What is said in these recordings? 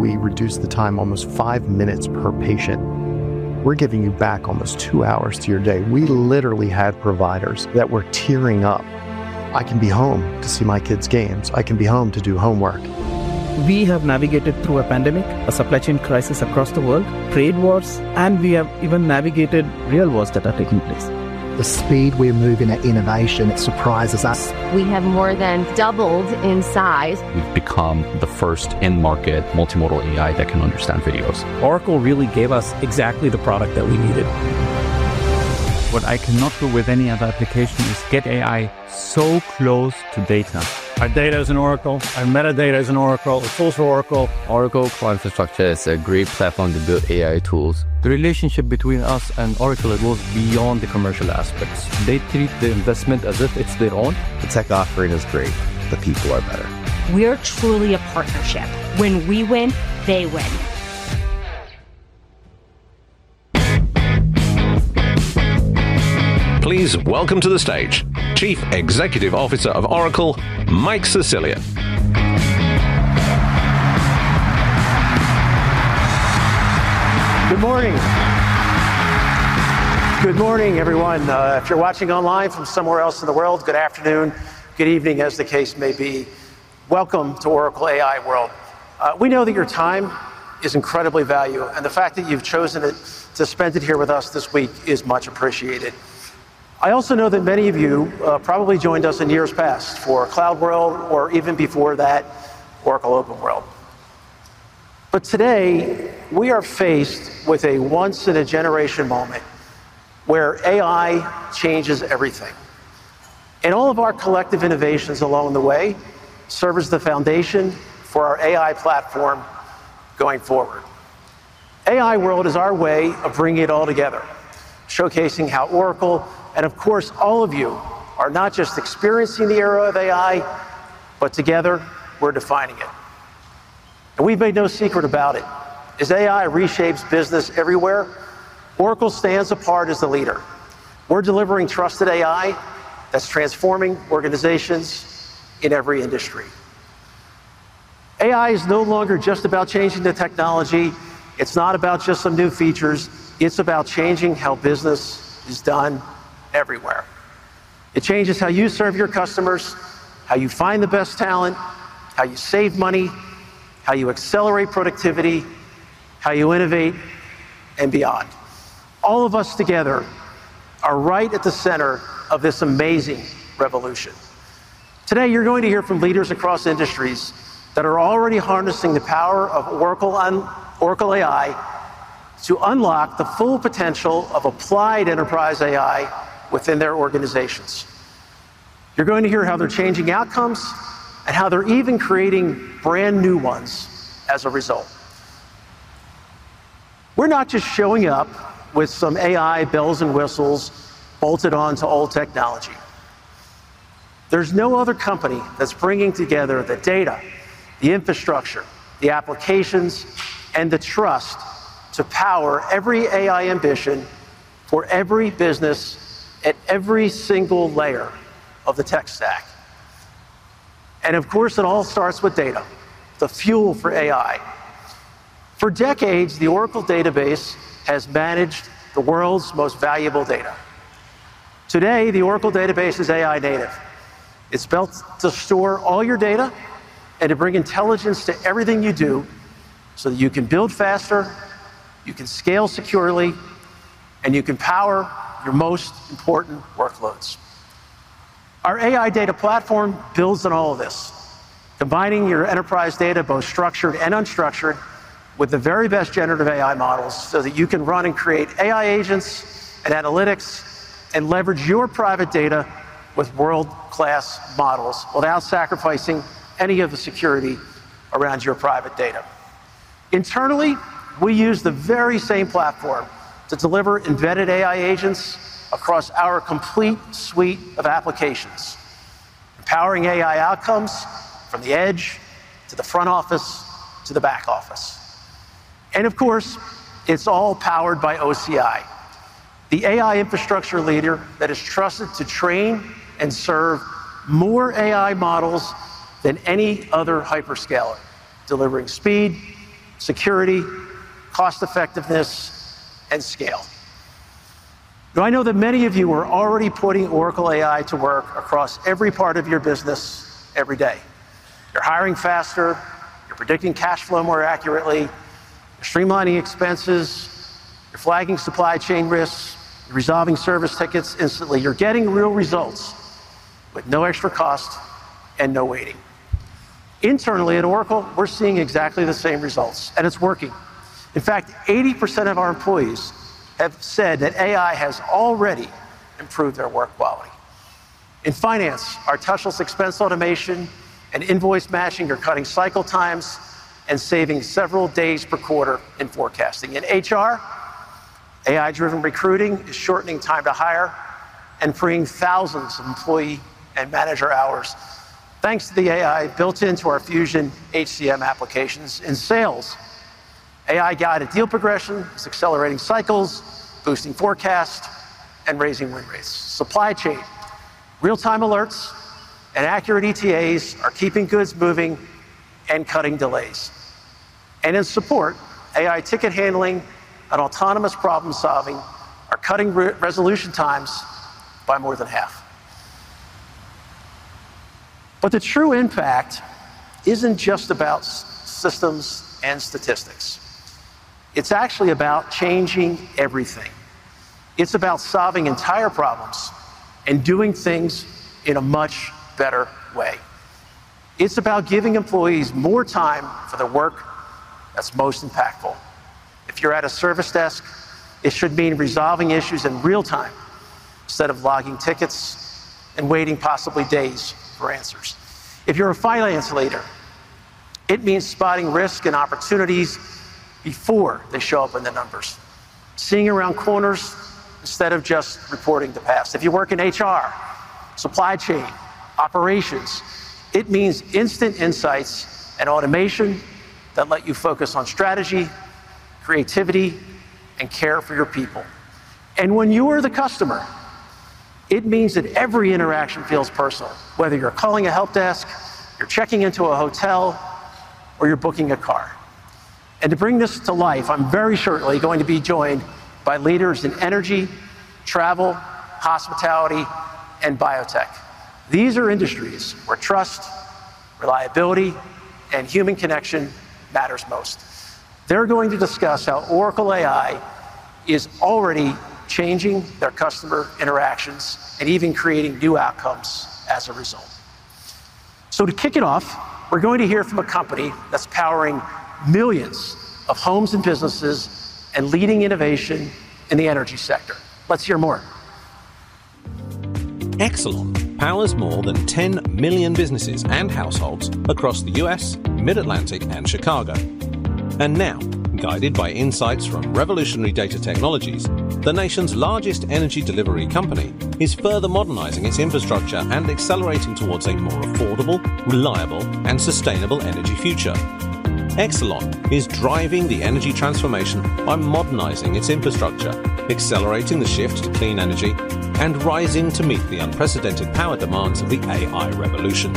We reduced the time, almost five minutes per patient. We're giving you back almost two hours to your day. We literally had providers that were tearing up. I can be home to see my kids' games. I can be home to do homework. We have navigated through a pandemic. Supply chain crisis across the world trade. Wars, and we have even navigated real wars that are taking place. The speed we are moving at innovation surprises us. We have more than doubled in size. We've become the first in-market multimodal. AI that can understand video. Oracle really gave us exactly the product that we needed. What I cannot do with any other. Application is get AI so close to data. Our data is in Oracle, our metadata is in Oracle. It's also Oracle. Oracle Cloud Infrastructure is a great platform. To build AI tools. The relationship between us and Oracle goes beyond the commercial aspects. They treat the investment as if it's their own. The tech offering is great, the people are better. We are truly a partnership. When we win, they win. Please welcome to the stage Chief Executive Officer of Oracle, Mike Sicilia. Good morning. Good morning everyone. If you're watching online from somewhere else in the world, good afternoon. Good evening as the case may be. Welcome to Oracle AI World. We know that your time is incredibly valuable, and the fact that you've chosen to spend it here with us this week is much appreciated. I also know that many of you probably joined us in years past for Cloud World or even before that, Oracle Open World. Today we are faced with a once in a generation moment where AI changes everything, and all of our collective innovations along the way serve as the foundation for our AI platform going forward. AI World is our way of bringing it all together, showcasing how Oracle, and of course all of you, are not just experiencing the era of AI, but together we're defining it. We've made no secret about it. As AI reshapes business everywhere, Oracle stands apart as the leader. We're delivering trusted AI that's transforming organizations in every industry. AI is no longer just about changing the technology. It's not about just some new features. It's about changing how business is done everywhere. It changes how you serve your customers, how you find the best talent, how you save money, how you accelerate productivity, how you innovate and beyond. All of us together are right at the center of this amazing revolution. Today you're going to hear from leaders across industries that are already harnessing the power of Oracle AI to unlock the full potential of applied enterprise AI within their organizations. You're going to hear how they're changing outcomes and how they're even creating brand new ones as a result. We're not just showing up with some AI bells and whistles bolted onto old technology. There is no other company that's bringing together the data, the infrastructure, the applications, and the trust to power every AI ambition for every business at every single layer of the tech stack. Of course, it all starts with data, the fuel for AI. For decades, the Oracle database has managed the world's most valuable data. Today, the Oracle database is AI native. It's built to store all your data and to bring intelligence to everything you do so that you can build faster, you can scale securely, and you can power your most important, important workloads. Our AI Data Platform builds on all of this, combining your enterprise data, both structured and unstructured, with the very best generative AI models so that you can run and create AI agents and analytics and leverage your private data with world-class models without sacrificing any of the security around your private data. Internally, we use the very same platform to deliver embedded AI agents across our complete suite of applications, empowering AI outcomes from the edge to the front office to the back office. Of course, it's all powered by Oracle Cloud Infrastructure, the AI infrastructure leader that is trusted to train and serve more AI models than any other hyperscaler, delivering speed, security, cost effectiveness, and scale. I know that many of you are already putting Oracle AI to work across every part of your business. Every day you're hiring faster, you're predicting cash flow more accurately, streamlining expenses, you're flagging supply chain risks, resolving service tickets instantly. You're getting real results with no extra cost and no waiting. Internally at Oracle, we're seeing exactly the same results. It's working. In fact, 80% of our employees have said that AI has already improved their work quality. In finance, our touchless expense automation and invoice matching are cutting cycle times and saving several days per quarter. In forecasting, in HR, AI-driven recruiting is shortening time to hire and freeing thousands of employee and manager hours thanks to the AI built into our Fusion HCM applications. In sales, AI-guided deal progression is accelerating cycles, boosting forecast, and raising win rates. Supply chain real-time alerts and accurate ETAs are keeping goods moving and cutting delays. In support, AI ticket handling and autonomous problem solving are cutting resolution times by more than half. The true impact isn't just about systems and statistics. It's actually about changing everything. It's about solving entire problems and doing things in a much better way. It's about giving employees more time for their work that's most impactful. If you're at a service desk, it should mean resolving issues in real time instead of logging tickets and waiting possibly days for answers. If you're a finance leader, it means spotting risk and opportunities before they show up in the numbers, seeing around corners instead of just reporting the past. If you work in HR, supply chain operations, it means instant insights and automation that let you focus on strategy, creativity, and care for your people. When you are the customer, it means that every interaction feels personal, whether you're calling a help desk, you're checking into a hotel, or you're booking a car. To bring this to life, I'm very shortly going to be joined by leaders in energy, travel, hospitality, and biotech. These are industries where trust, reliability, and human connection matter most. They are going to discuss how Oracle AI is already changing their customer interactions and even creating new outcomes as a result. To kick it off, we're going to hear from a company that's powering millions of homes and businesses and leading innovation in the energy sector. Let's hear more. Exelon powers more than 10 million businesses and households across the U.S. Mid-Atlantic and Chicago. Now, guided by insights from revolutionary data technologies, the nation's largest energy delivery company is further modernizing its infrastructure and accelerating toward a more affordable, reliable, and sustainable energy future. Exelon is driving the energy transformation by modernizing its infrastructure, accelerating the shift to clean energy, and rising to meet the unprecedented power demands of the AI revolution.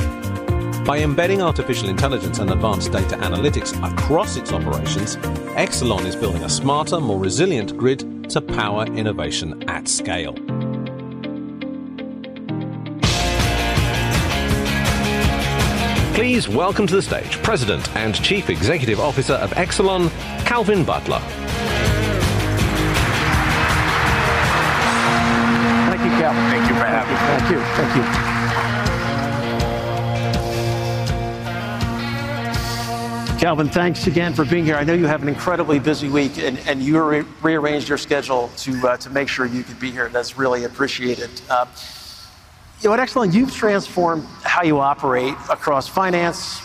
By embedding artificial intelligence and advanced data analytics across its operations, Exelon is building a smarter, more resilient grid to power innovation at scale. Please welcome to the stage President and Chief Executive Officer of Exelon, Calvin Butler. Thank you, Calv. Thank you for having me. Thank you. Thank you. Calvin, thanks again for being here. I know you have an incredibly busy week, and you rearranged your schedule to make sure you could be here. That's really appreciated. You know what? Excellent. You've transformed how you operate across finance,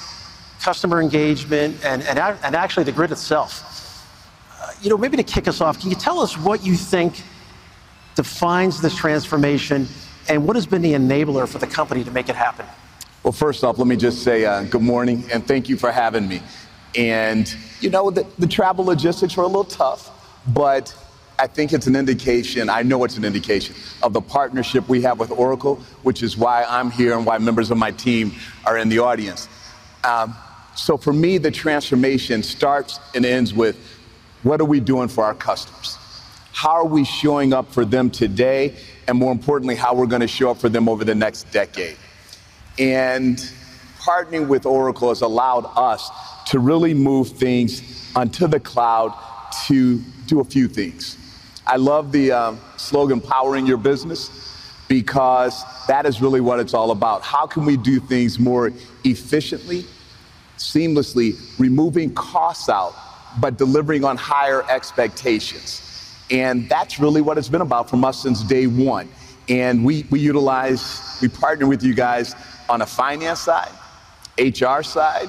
customer engagement, and actually the grid itself. Maybe to kick us off, can you tell us what you think defines this transformation and what has been the enabler for the company to make it happen? Good morning and thank you for having me. The travel logistics were a little tough, but I think it's an indication. I know it's an indication of the partnership we have with Oracle, which is why I'm here and why members of my team are in the audience. For me, the transformation starts and ends with what are we doing for our customers, how are we showing up for them today and more importantly, how we're going to show up for them over the next decade. Partnering with Oracle has allowed us to really move things onto the cloud to do a few things. I love the slogan powering your business because that is really what it's all about. How can we do things more efficiently, seamlessly removing costs out, but delivering on higher expectations? That's really what it's been about from us since day one. We utilize, we partner with you guys on a finance side, HR side,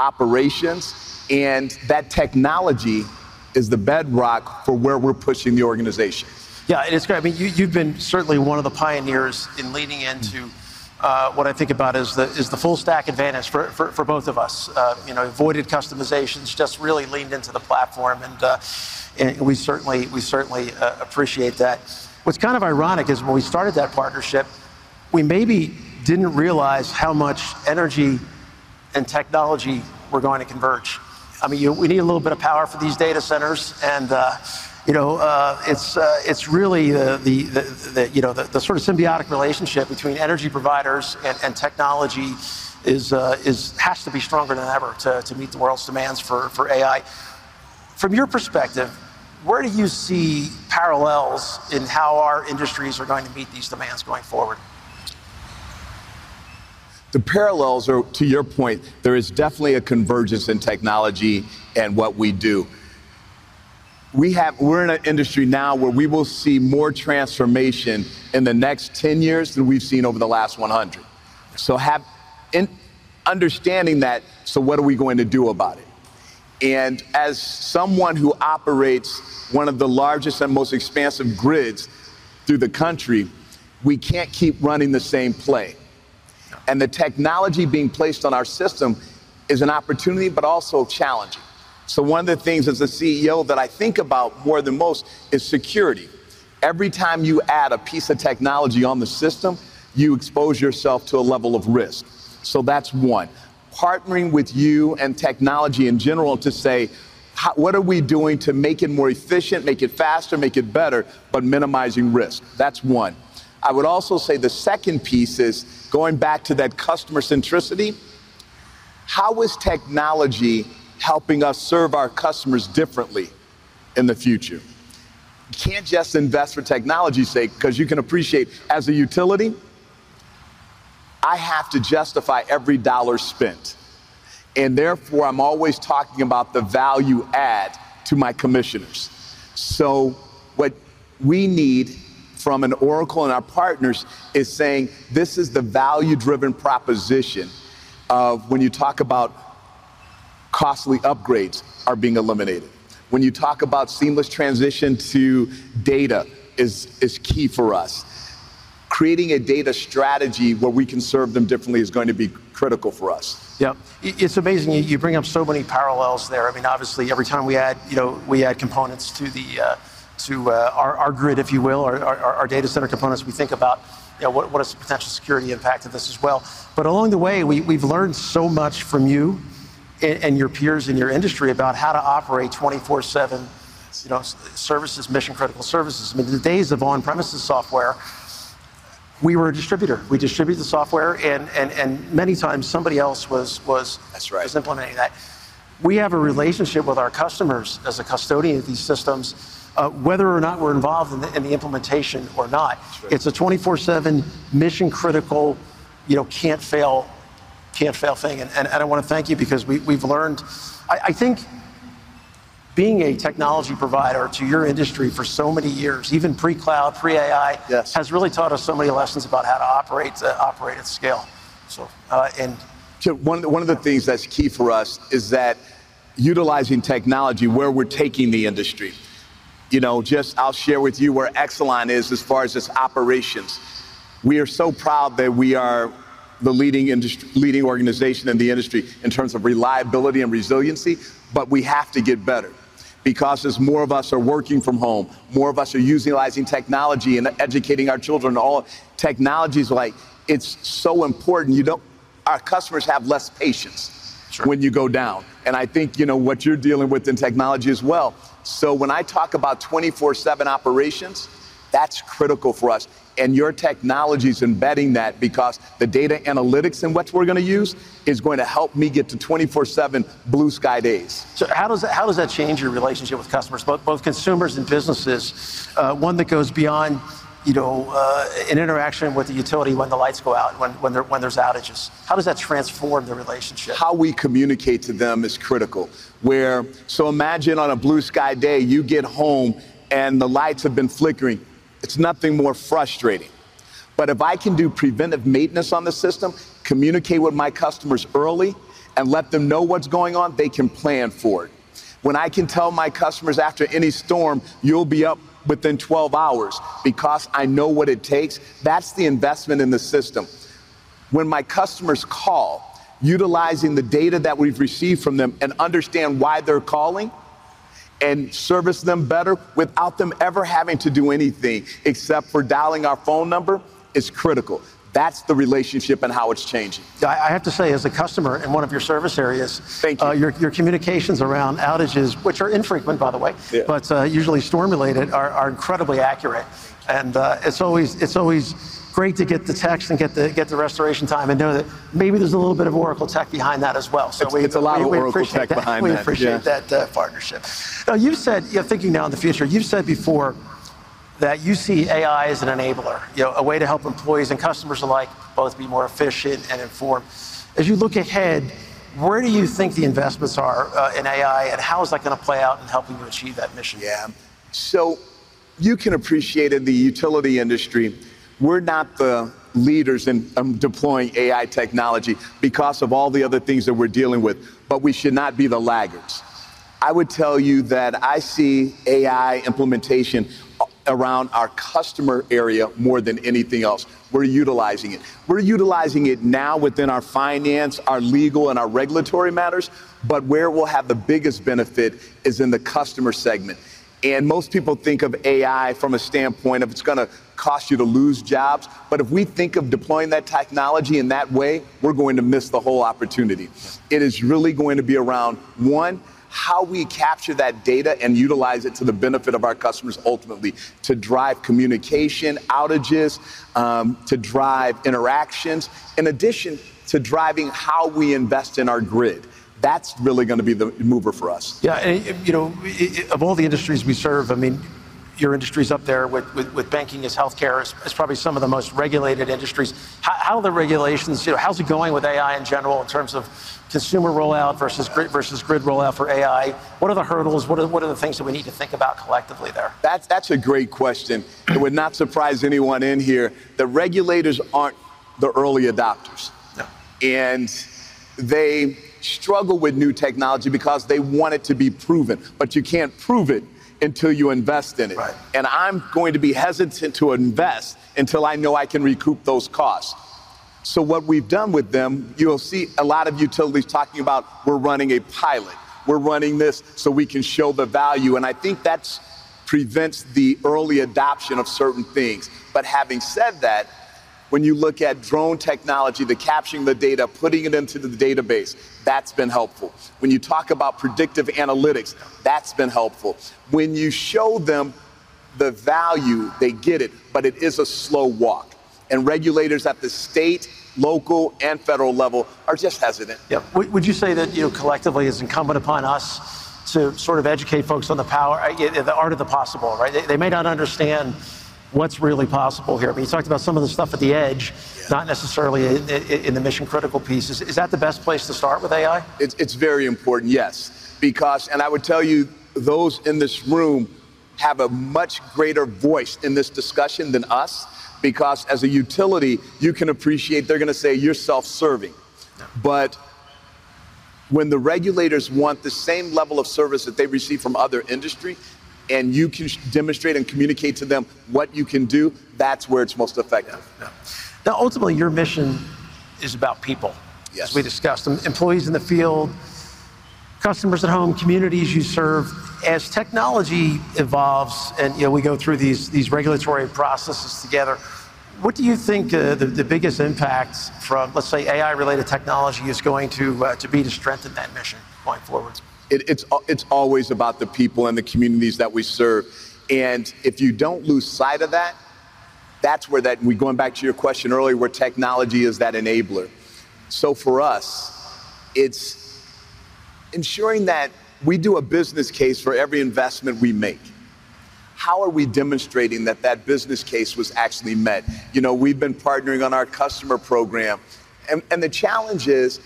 operations. That technology is the bedrock for where we're pushing the organization. Yeah, and it's great. I mean you've been certainly one of the pioneers in leaning into what I think about as the full stack advantage for both of us. You know, avoided customizations, just really leaned into the platform. We certainly appreciate that. What's kind of ironic is when we started that partnership, we maybe didn't realize how much energy and technology were going to converge. I mean we need a little bit of power for these data centers. It's really the sort of symbiotic relationship between energy providers and technology that has to be stronger than ever to meet the world's demands for AI. From your perspective, where do you see parallels in how our industries are going to meet these demands going forward? The parallels are, to your point, there is definitely a convergence in technology. What we do, we're in an industry now where we will see more transformation in the next 10 years than we've seen over the last 100. In understanding that, what are we going to do about it? As someone who operates one of the largest and most expansive grids through the country, we can't keep running the same play. The technology being placed on our system is an opportunity, but also challenging. One of the things as a CEO that I think about more than most is security. Every time you add a piece of technology on the system, you expose yourself to a level of risk. That's one, partnering with you and technology in general to say, what are we doing to make it more efficient, make it faster, make it better, but minimizing risk. That's one. I would also say the second piece is going back to that customer centricity. How is technology helping us serve our customers differently in the future? You can't just invest for technology's sake. Because you can appreciate as a utility I have to justify every dollar spent and therefore I'm always talking about the value added to my commissioners. What we need from Oracle and our partners is saying this is the value driven proposition. When you talk about costly upgrades being eliminated, when you talk about seamless transition to data, it is key for us. Creating a data strategy where we can serve them differently is going to be critical for us. Yeah, it's amazing you bring up so many parallels there. I mean, obviously every time we add components to our grid, if you will, our data center components, we think about what is the potential security impact of this as well. Along the way, we've learned so much from you and your peers in your industry about how to operate 24/7 services, mission critical services. I mean, the days of on premises software, we were a distributor, we distributed the software and many times somebody else was implementing that. We have a relationship with our customers as a custodian of these systems, whether or not we're involved in the implementation. It's a 24/7, mission critical, can't fail, can't fail thing. I want to thank you because we've learned, I think being a technology provider to your industry for so many years, even pre-cloud, pre-AI, has really taught us so many lessons about how to operate at scale. One of the things that's key for us is utilizing technology, where we're taking the industry. I'll share with you where Exelon is as far as its operations. We are so proud that we are the leading organization in the industry in terms of reliability and resiliency. We have to get better because as more of us are working from home, more of us are utilizing technology and educating our children. All technology is like, it's so important. Our customers have less patience when you go down. I think you know what you're dealing with in technology as well. When I talk about 24/7 operations, that's critical for us and your technology is embedding that because the data analytics and what we're going to use is going to help me get to 24/7 blue sky days. How does that change your relationship with customers, both consumers and businesses? One that goes beyond an interaction with the utility. When the lights go out, when there's outages, how does that transform the relationship? How we communicate to them is critical. Imagine on a blue sky day, you get home and the lights have been flickering. It's nothing more frustrating. If I can do preventive maintenance on the system, communicate with my customers early and let them know what's going on, they can plan for it. When I can tell my customers after any storm, you'll be up within 12 hours because I know what it takes. That's the investment in the system. When my customers call, utilizing the data that we've received from them and understand why they're calling and service them better without them ever having to do anything except for dialing our phone number is critical. That's the relationship and how it's changing. I have to say, as a customer in one of your service areas. Thank you. Your communications around outages, which are infrequent by the way, but usually storm related, are incredibly accurate. It's always great to get the text and get the restoration time and know that maybe there's a little bit of Oracle tech behind that as well. It's a lot of Oracle tech behind. We appreciate that partnership. You said you're thinking now in the future, you've said before that you see AI as an enabler, a way to help employees and customers alike both be more efficient and informed. As you look ahead, where do you think the investments are in AI, and how is that going to play out in helping you achieve that mission? You can appreciate in the utility industry we're not the leaders in deploying AI technology because of all the other things that we're dealing with. We should not be the laggards. I would tell you that I see AI implementation around our customer area more than anything else. We're utilizing it, we're utilizing it now within our finance, our legal, and our regulatory matters. Where we'll have the biggest benefit is in the customer segment. Most people think of AI from a standpoint of it's going to cost you to lose jobs. If we think of deploying that technology in that way, we're going to miss the whole opportunity. It is really going to be around one, how we capture that data and utilize it to the benefit of our customers, ultimately to drive communication outages, to drive interactions, in addition to driving how we invest in our grid. That's really going to be the mover for us. Yeah. You know, of all the industries we serve, I mean your industry is up there with banking is health care. It's probably some of the most regulated industries. How are the regulations, you know, how's it going with AI in general in terms of consumer rollout versus grid rollout for AI? What are the hurdles? What are the things that we need to think about collectively there? That's a great question. It would not surprise anyone in here. The regulators aren't the early adopters and they struggle with new technology because they want it to be proven. You can't prove it until you invest in it. I'm going to be hesitant to invest until I know I can recoup those costs. What we've done with them, you'll see a lot of utilities talking about we're running a pilot, we're running this so we can show the value. I think that prevents the early adoption of certain things. Having said that, when you look at drone technology, the capturing the data, putting it into the database, that's been helpful. When you talk about predictive analytics, that's been helpful. When you show them the value, they get it. It is a slow walk and regulators at the state, local, and federal level are just hesitant. Yeah. Would you say that, you know, collectively it's incumbent upon us to sort of educate folks on the power, the art of the possible? Right. They may not understand what's really possible here. You talked about some of the stuff at the edge, not necessarily in the mission critical pieces. Is that the best place to start with AI? It's very important. Yes, because I would tell you, those in this room have a much greater voice in this discussion than us, because as a utility you can appreciate they're going to say you're self serving. When the regulators want the same level of service that they receive from other industry and you can demonstrate and communicate to them what you can do, that's where it's most effective. Now ultimately your mission is about people. As we discussed, employees in the field, customers at home, communities you serve. As technology evolves and you know, we go through these regulatory processes together, what do you think the biggest impact from let's say AI related technology is going to be to strengthen that mission going forward. It's always about the people and the communities that we serve. If you don't lose sight of that, that's where, going back to your question earlier, technology is that enabler. For us, it's ensuring that we do a business case for every investment we make. How are we demonstrating that the business case was actually met? We've been partnering on our customer program and the challenge is,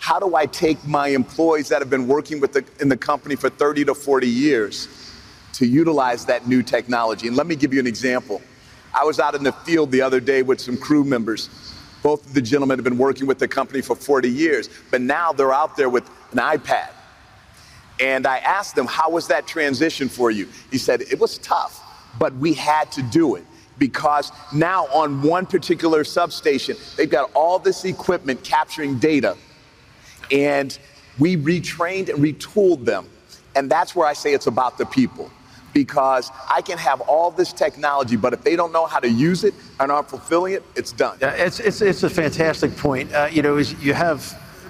how do I take my employees that have been working in the company for 30 - 40 years to utilize that new technology? Let me give you an example. I was out in the field the other day with some crew members. Both of the gentlemen have been working with the company for 40 years, but now they're out there with an iPad. I asked him, how was that transition for you? He said it was tough, but we had to do it because now on one particular substation, they've got all this equipment capturing data and we retrained and retooled them. That's where I say it's about the people, because I can have all this technology, but if they don't know how to use it and aren't fulfilling it, it's done. Yeah, it's a fantastic point. You know,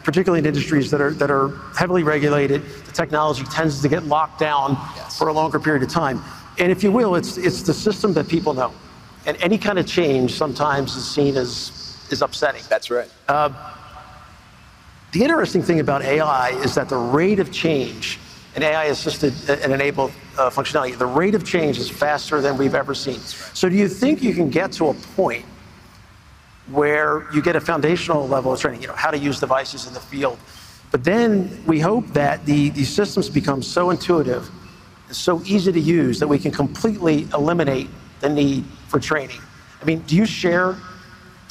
particularly in industries that are heavily regulated, the technology tends to get locked down for a longer period of time. If you will, it's the system that people know, and any kind of change sometimes is seen as upsetting. That's right. The interesting thing about AI is that the rate of change and AI-assisted and enabled functionality, the rate of change is faster than we've ever seen. Do you think you can get to a point where you get a foundational level of training on how to use devices in the field? We hope that these systems become so intuitive, so easy to use, that we can completely eliminate the need for training. I mean, do you share that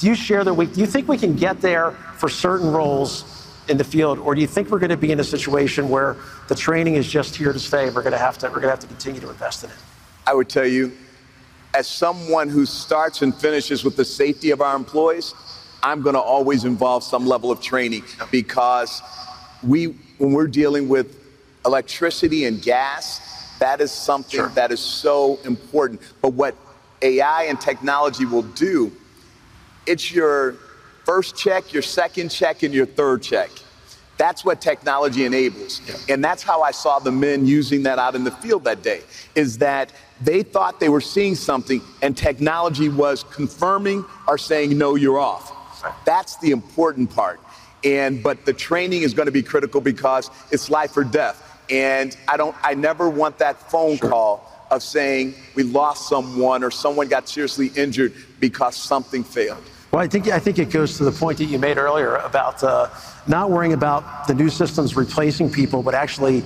view? Do you think we can get there for certain roles in the field, or do you think we're going to be in a situation where the training is just here to stay? We're going to have to continue to invest in it. I would tell you, as someone who starts and finishes with the safety of our employees, I'm going to always involve some level of training because we, when we're dealing with electricity and gas, that is something that is so important. What AI and technology will do, it's your first check, your second check, and your third check. That's what technology enables. That's how I saw the men using that out in the field that day, is that they thought they were seeing something and technology was confirming or saying, no, you're off. That's the important part. The training is going to be critical because it's life or death. I never want that phone call of saying we lost someone or someone got seriously injured because something failed. I think it goes to the point that you made earlier about not worrying about the new systems replacing people, but actually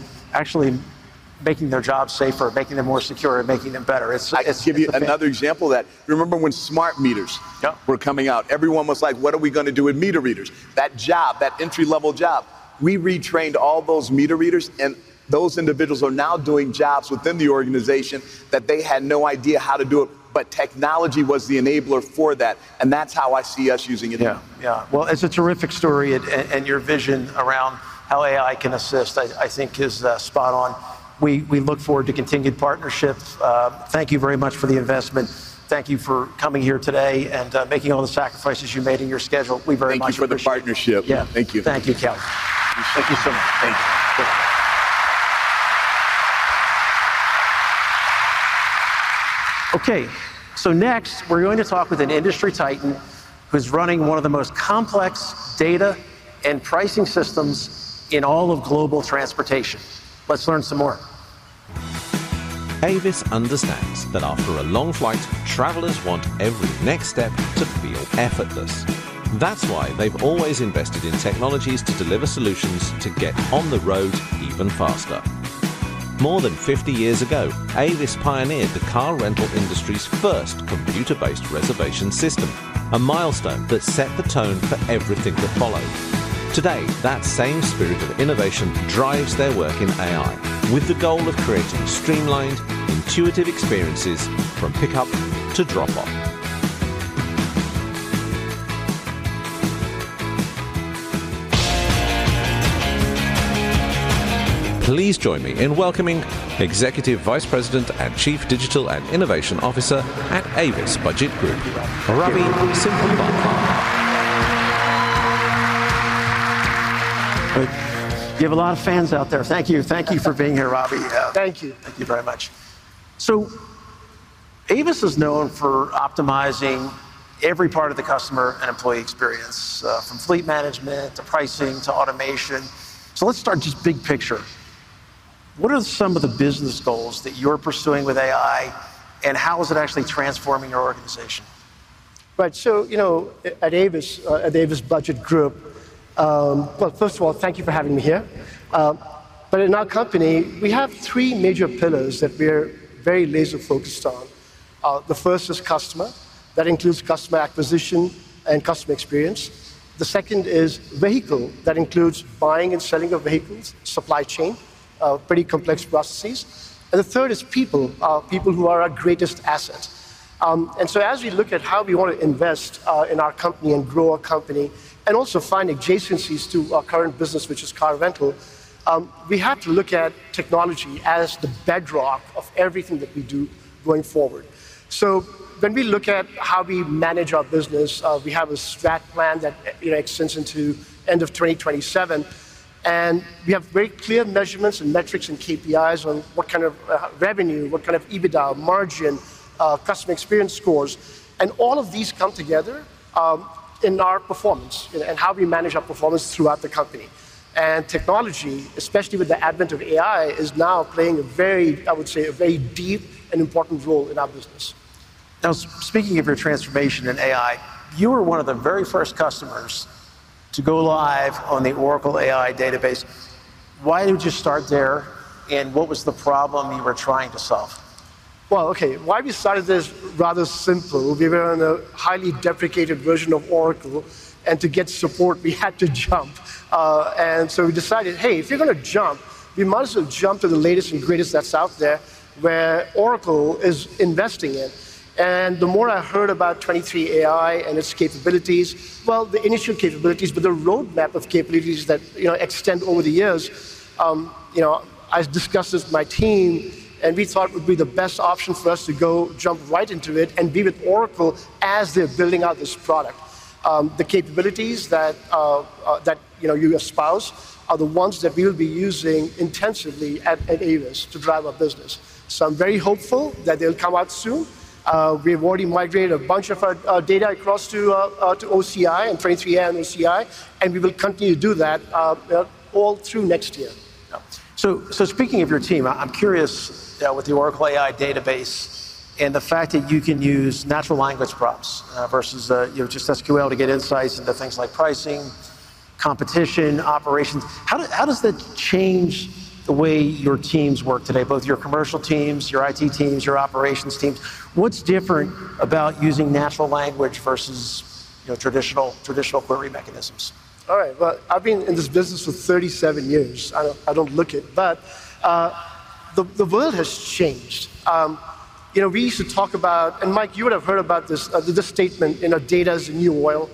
making their job safer, making them more secure and making them better. I'll give you another example of that. Remember when smart meters were coming out, everyone was like, what are we going to do with meter readers? That job, that entry-level job, we retrained all those meter readers, and those individuals are now doing jobs within the organization that they had no idea how to do. Technology was the enabler for that, and that's how I see us using it. Yeah. It's a terrific story. Your vision around how AI can assist I think is spot on. We look forward to continued partnership. Thank you very much for the investment. Thank you for coming here today and making all the sacrifices you made in your schedule. We very much appreciate the partnership. Thank you. Thank you, Kelly. Thank you so much. Thank you. Next we're going to talk with an industry titan who's running one of the most complex data and pricing systems in all of global transportation. Let's learn some more. Budget Group understands that after a long flight, travelers want every next step to feel effortless. That's why they've always invested in technologies to deliver solutions to get on the road even faster. More than 50 years ago, Avis pioneered the car rental industry's first computer-based reservation system, a milestone that set the tone for everything that followed. Today, that same spirit of innovation drives their work in AI with the goal of creating streamlined, intuitive experiences from pickup to drop off. Please join me in welcoming Executive Vice President and Chief Digital and Innovation Officer at Avis Budget Group Ravi Simhambhatla. You have a lot of fans out there. Thank you. Thank you for being here, Ravi. Thank you. Thank you very much. Avis is known for optimizing every part of the customer and employee experience, from fleet management to pricing to automation. Let's start big picture. What are some of the business goals that you're pursuing with AI, and how is it actually transforming your organization? Right. At Avis Budget Group, first of all, thank you for having me here. In our company we have three major pillars that we're very laser focused on. The first is customer. That includes customer acquisition and customer experience. The second is vehicle. That includes buying and selling of vehicles, supply chain, pretty complex processes. The third is people. People who are our greatest asset. As we look at how we want to invest in our company and grow our company and also find adjacencies to our current business, which is car rental, we have to look at technology as the bedrock of everything that we do going forward. When we look at how we manage our business, we have a strategic plan that extends into the end of 2027, and we have very clear measurements and metrics and KPIs on what kind of revenue, what kind of EBITDA margin, customer experience scores, and all of these come together in our performance and how we manage our performance throughout the company. Technology, especially with the advent of AI, is now playing a very, I would say, a very deep and important role in our business. Now, speaking of your transformation in AI, you were one of the very first customers to go live on the Oracle AI Data Platform. Why did you start there, and what was the problem you were trying to solve? Okay, why? We started this rather simple. We were on a highly deprecated version of Oracle and to get support, we had to jump. We decided, hey, if you're going to jump, you might as well jump to the latest and greatest that's out there where Oracle is investing in. The more I heard about Oracle 23AI and its capabilities, the initial capabilities, but the roadmap of capabilities that extend over the years. I discussed this with my team and we thought it would be the best option for us to go jump right into it and be with Oracle as they're building out this product. The capabilities that you espouse are the ones that we will be using intensively at Avis to drive our business. I'm very hopeful that they'll come out soon. We've already migrated a bunch of our data across to OCI and 23AI on OCI and we will continue to do that all through next year. Speaking of your team, I'm curious. With the Oracle AI Database and the fact that you can use natural language prompts versus, you know, just SQL to get insights into things like pricing, competition, operations, how does that change the way your teams work today? Both your commercial teams, your IT teams, your operations teams, what's different about using natural language versus, you know, traditional query mechanisms? All right, I've been in this business for 37 years. I don't look it, but the world has changed. You know, we used to talk about, and Mike, you would have heard about this statement, you know, data is the new oil.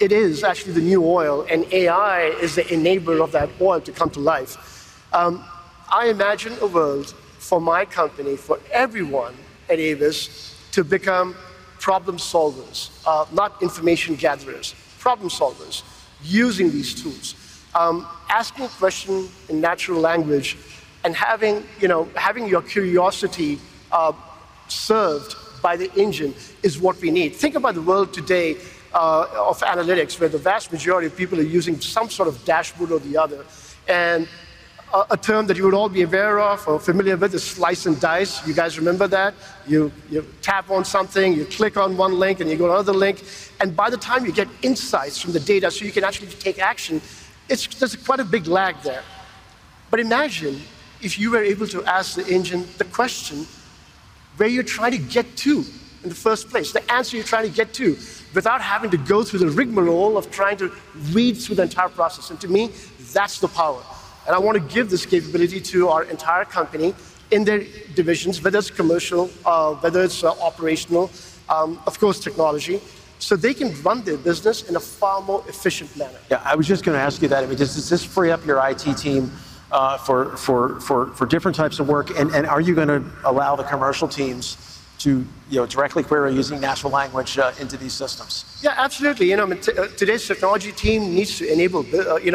It is actually the new oil, and AI is the enabler of that oil to come to life. I imagine a world for my company, for everyone at Avis, to become problem solvers, not information gatherers, problem solvers. Using these tools, asking questions in natural language and having your curiosity served by the engine is what we need. Think about the world today of analytics, where the vast majority of people are using some sort of dashboard or the other. A term that you would all be aware of or familiar with is slice and dice. You guys remember that you tap on something, you click on one link and you go to another link, and by the time you get insights from the data so you can actually take action, there's quite a big lag there. Imagine if you were able to ask the engine the question where you try to get to in the first place, place the answer you're trying to get to without having to go through the rigmarole of trying to read through the entire process. To me, that's the power, and I want to give this capability to our entire company in their divisions, whether it's commercial, whether it's operational, of course, technology, so they can run their business in a far more efficient manner. Yeah, I was just going to ask you that. Does this free up your IT team for different types of work, and are you going to allow the commercial teams to directly query, using natural language, into these systems? Yeah, absolutely. Today's technology team needs to enable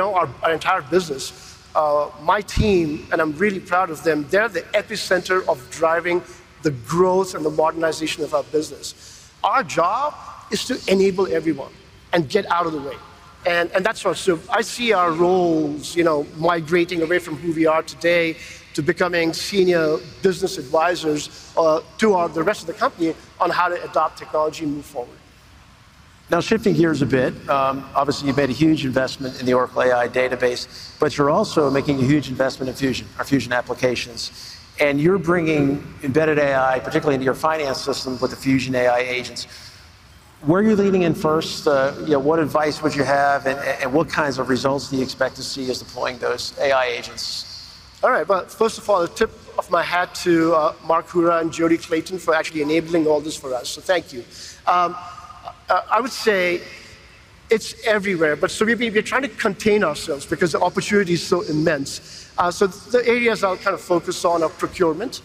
our entire business. My team, and I'm really proud of them, they're the epicenter of driving the growth and the modernization of our business. Our job is to enable everyone and get out of the way. I see our roles, you know, migrating away from who we are today to becoming Senior Business Advisors to the rest of the company on how to adopt technology. Move forward. Now, shifting gears a bit, obviously you've made a huge investment in the Oracle AI Database, but you're also making a huge investment in Oracle Fusion Applications, and you're bringing embedded AI, particularly into your finance system. With the Fusion AI agents, where are you leaning in? First, you. What advice would you have and what kinds of results do you expect to see as deploying those AI agents? All right, first of all, tip of my hat to Mark Moerdler and Jody Clayton for actually enabling all this for us. Thank you. I would say it's everywhere, but we're trying to contain ourselves because the opportunity is so immense. The areas I'll kind of focus on are procurement.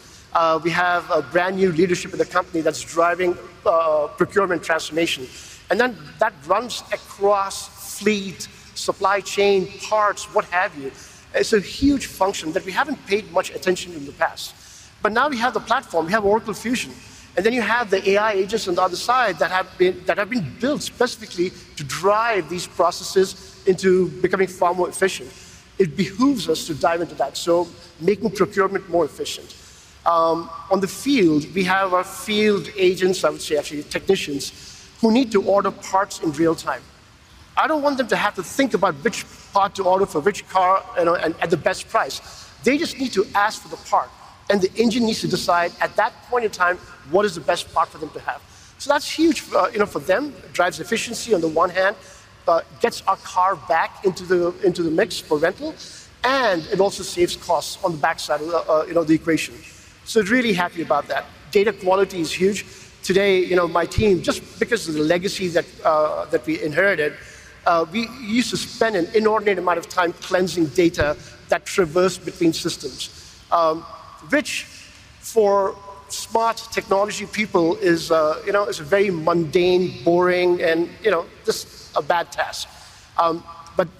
We have brand new leadership in the company that's driving procurement transformation, and that runs across fleet, supply chain, parts, what have you. It's a huge function that we haven't paid much attention to in the past, but now we have the platform, we have Oracle Fusion, and then you have the AI agents on the other side that have been built specifically to drive these processes into becoming far more efficient. It behooves us to dive into that, making procurement more efficient on the field. We have our field agents, I would say actually technicians who need to order parts in real time. I don't want them to have to think about which part to order for which car at the best price. They just need to ask for the part, and the engine needs to decide at that point in time what is the best part for them to have. That's huge for them. Drives efficiency on the one hand, gets our car back into the mix for rental, and it also saves costs on the backside of the equation. Really happy about that. Data quality is huge today. My team, just because of the legacy that we inherited, we used to spend an inordinate amount of time cleansing data that traversed between systems, which for smart technology people is a very mundane, boring, and just a bad task.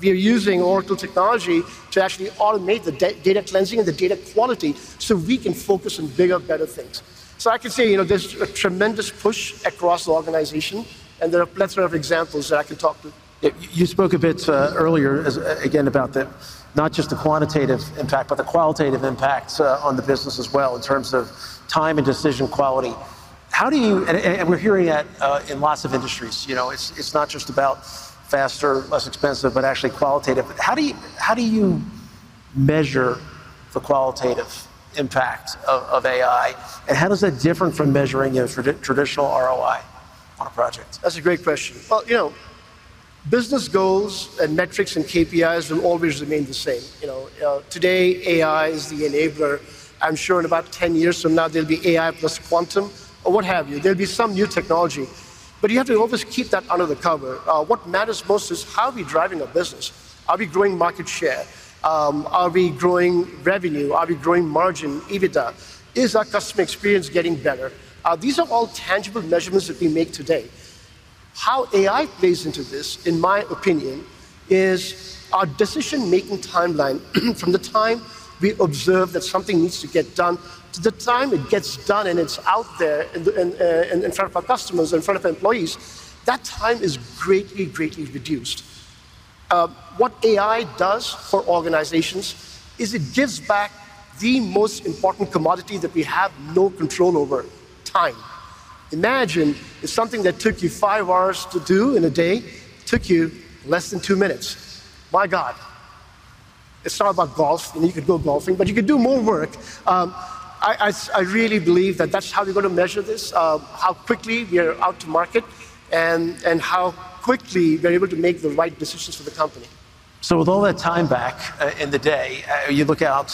We are using Oracle technology to actually automate the data cleansing and the data quality so we can focus on bigger, better things. I can say there's a tremendous push across the organization and there are a plethora of examples that I can talk to. You spoke a bit earlier about not just the quantitative impact, but the qualitative impact on the business as well, in terms of time and decision quality. How do you, and we're hearing that in lots of industries, it's not just about faster, less expensive, but actually qualitative. How do you measure the qualitative impact of AI and how does that differ from measuring, you know, for traditional ROI on a project? That's a great question. You know, business goals and metrics and KPIs will always remain the same. Today AI is the enabler. I'm sure in about 10 years from now there'll be AI plus quantum or what have you, there'll be some new technology, but you have to always keep that under the COVID. What matters most is how are we driving a business? Are we growing market share? Are we growing revenue? Are we growing margin, EBITDA? Is our customer experience getting better? These are all tangible measurements that we make today. How AI plays into this, in my opinion, is our decision making timeline. From the time we observe that something needs to get done to the time it gets done and it's out there in front of our customers, in front of employees, that time is greatly, greatly reduced. What AI does for organizations is it gives back the most important commodity that we have no control over: time. Imagine if something that took you five hours to do in a day took you less than two minutes. My God. It's not about golf, and you could go golfing, but you could do more work. I really believe that that's how we're going to measure this, how quickly we are out to market and how quickly we're able to make the right decisions for the company. With all that time back in the day, you look out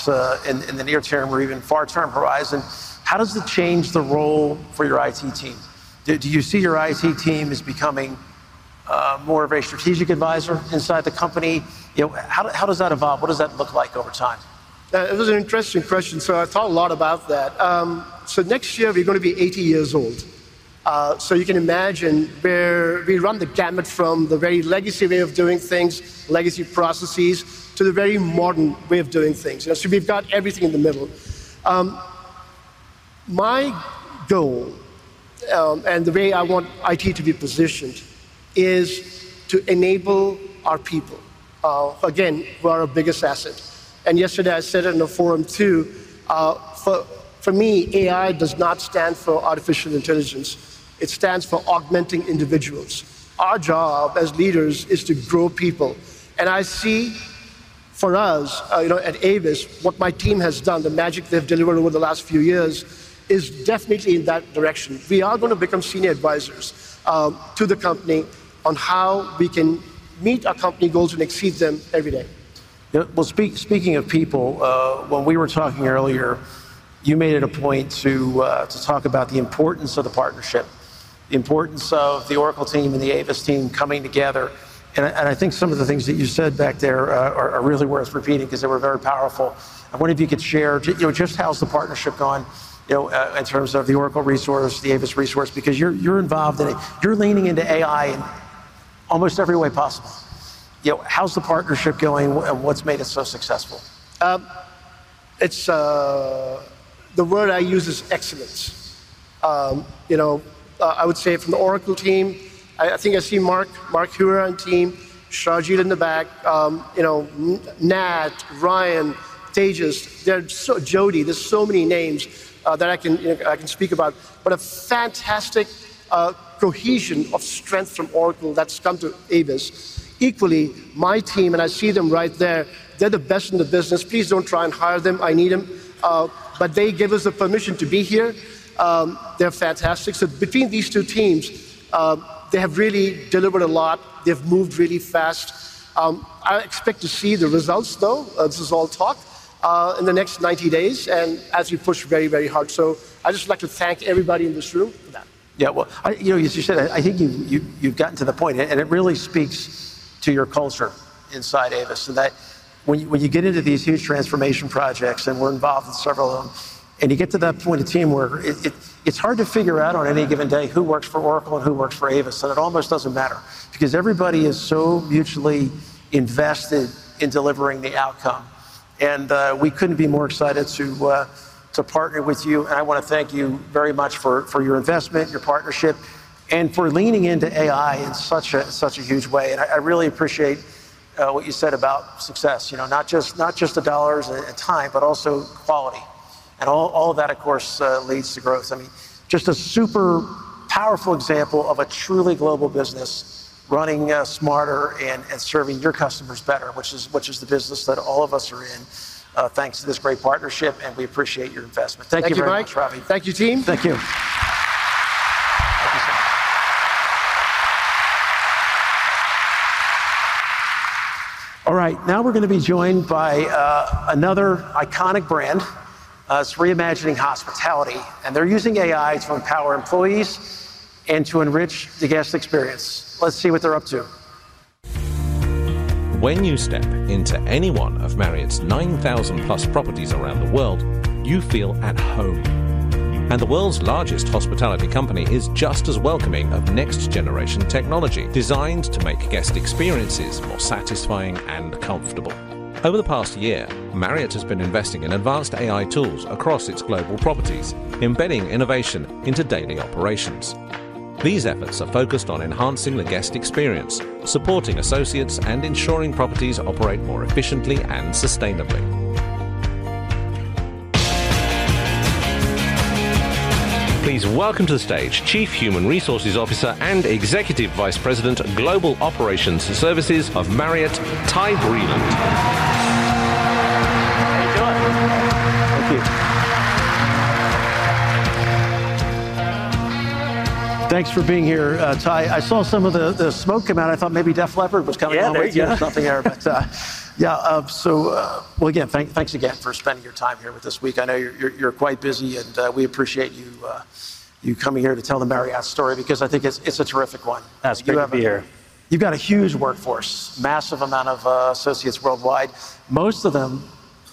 in the near term or even far term, hard horizon, how does it change the role for your IT team? Do you see your IT team as becoming more of a strategic advisor inside the company? How does that evolve? What does that look like over time? It was an interesting question, so I thought a lot about that. Next year we're going to be 80 years old. You can imagine where we run the gamut from the very legacy way of doing things, legacy processes, to the very modern way of doing things. We've got everything in the middle. My goal and the way I want it to be positioned is to enable our people again, who are our biggest asset. Yesterday I said in a forum too, for me, AI does not stand for artificial intelligence. It stands for augmenting individuals. Our job as leaders is to grow people. I see for us, at Avis, what my team has done, the magic they've delivered over the last few years, is definitely in that direction. We are going to become senior advisors to the company on how we can meet our company goals and exceed them every day. Speaking of people, when we were talking earlier, you made it a point to talk about the importance of the partnership, the importance of the Oracle team and the Avis team coming together. I think some of the things that you said back there are really worth repeating because they were very powerful. I wonder if you could share just how's the partnership going in terms of the Oracle resource, the Avis resource, because you're involved in it, you're leaning into AI in almost every way possible. How's the partnership going and what's made it so successful? The word I use is excellence. I would say from the Oracle team, I think I see Mark, Mark Heuer on the team, Shahjeel in the back, Nat, Ryan, Tejas, Jody. There are so many names that I can speak about, but a fantastic cohesion of strength from Oracle that's come to Avis. Equally. My team and I see them right there, they're the best in the business. Please don't try and hire them. I need them, but they give us the permission to be here. They're fantastic. Between these two teams, they have really delivered a lot. They've moved really fast. I expect to see the results though. This is all talk in the next 90 days as you push very, very hard. I just like to thank everybody in this room for that. Yeah, as you said, I think you've gotten to the point and it really speaks to your culture inside Avis, and that when you get into these huge transformation projects and we're involved in several of them, you get to that point of teamwork. It's hard to figure out on any given day who works for Oracle and who works for Avis, and it almost doesn't matter because everybody is so mutually invested in delivering the outcome. We couldn't be more excited to partner with you. I want to thank you very much for your investment, your partnership, and for leaning into AI in such a huge way. I really appreciate what you said about success, not just the dollars and time, but also quality, and all that of course leads to growth. I mean, just a super powerful example of a truly global business running smarter and serving your customers better, which is the business that all of us are in, thanks to this great partnership, and we appreciate your investment. Thank you, Mikey. Thank you, team. Thank you. Thank you so much. All right, now we're going to be joined by another iconic brand. It's reimagining hospitality, and they're using AI to empower employees and to enrich the guest experience. Let's see what they're up to. When you step into any one of Marriott 9,000+ properties around the world, you feel at home. The world's largest hospitality company is just as welcoming of next generation technology designed to make guest experiences more satisfying and comfortable. Over the past year, Marriott has been investing in advanced AI tools across its global properties, embedding innovation into daily operations. These efforts are focused on enhancing the guest experience, supporting associates, and ensuring properties operate more efficiently and sustainably. Please welcome to the stage Chief Human Resources Officer and Executive Vice President, Global Operations Services of Marriott International, Ty Breland. Thanks for being here, Ty. I saw some of the smoke come out, I thought maybe Def Leppard was coming, something there. Thanks again for spending your time here this week. I know you're quite busy and we appreciate you coming here to tell the Marriott story because I think it's a terrific one. It's good to be here. You've got a huge workforce, massive amount of associates worldwide, most of them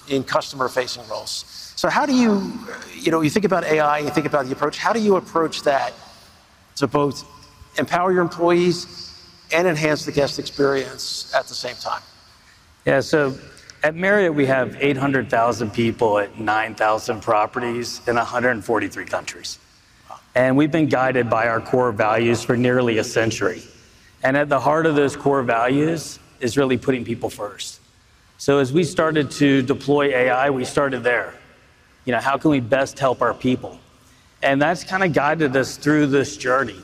in customer-facing roles. How do you think about AI, you think about the approach, how do you approach that to both empower your employees and enhance the guest experience at the same time? At Marriott, we have 800,000 people at 9,000 properties in 143 countries. We have been guided by our core values for nearly a century. At the heart of those core values is really putting people first. As we started to deploy AI, we started there, you know, how can we best help our people? That has guided us through this journey,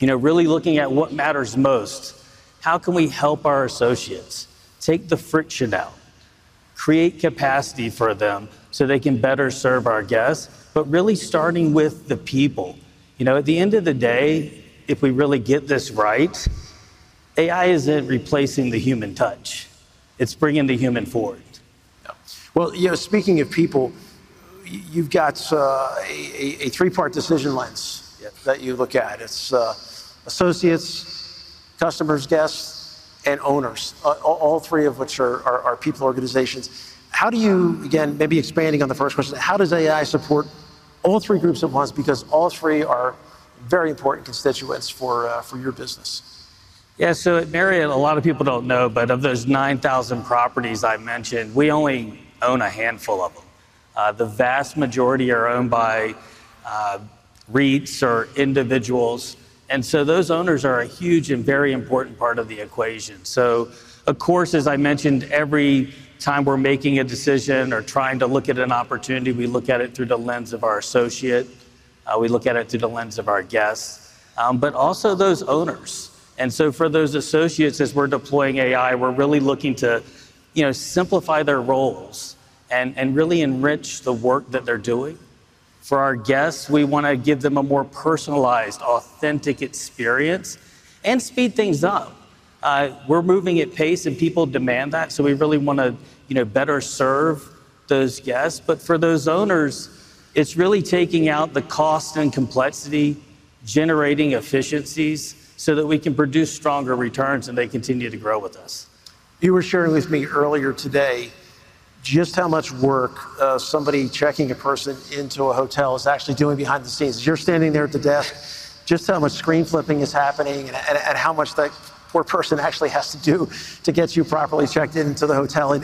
really looking at what matters most. How can we help our associates take the friction out, create capacity for them so they can better serve our guests, but really starting with the people? At the end of the day, if we really get this right, AI isn't replacing the human touch, it's bringing the human forward. Speaking of people, you've got a three part decision lens that you look at. It's associates, customers, guests, and owners, all three of which are people, organizations. How do you, again maybe expanding on the first question, how does AI support all three groups at once? Because all three are very important constituents for your business. Yeah. At Marriott, a lot of people don't know, but of those 9,000 properties I mentioned, we only own a handful of them. The vast majority are owned by REITs or individuals. Those owners are a huge and very important part of the equation. Of course, every time we're making a decision or trying to look at an opportunity, we look at it through the lens of our associate, we look at it through the lens of our guests, but also those owners. For those associates, as we're deploying AI, we're really looking to simplify their roles and really enrich the work that they're doing for our guests. We want to give them a more personalized, authentic experience and speed things up. We're moving at pace and people demand that. We really want to better serve those guests. For those owners, it's really taking out the cost and complexity, generating efficiencies so that we can produce stronger returns and they continue to grow with us. You were sharing with me earlier today just how much work somebody checking a person into a hotel is actually doing behind the scenes. You're standing there at the desk, just how much screen flipping is happening and how much that person actually has to do to get you properly checked into the hotel.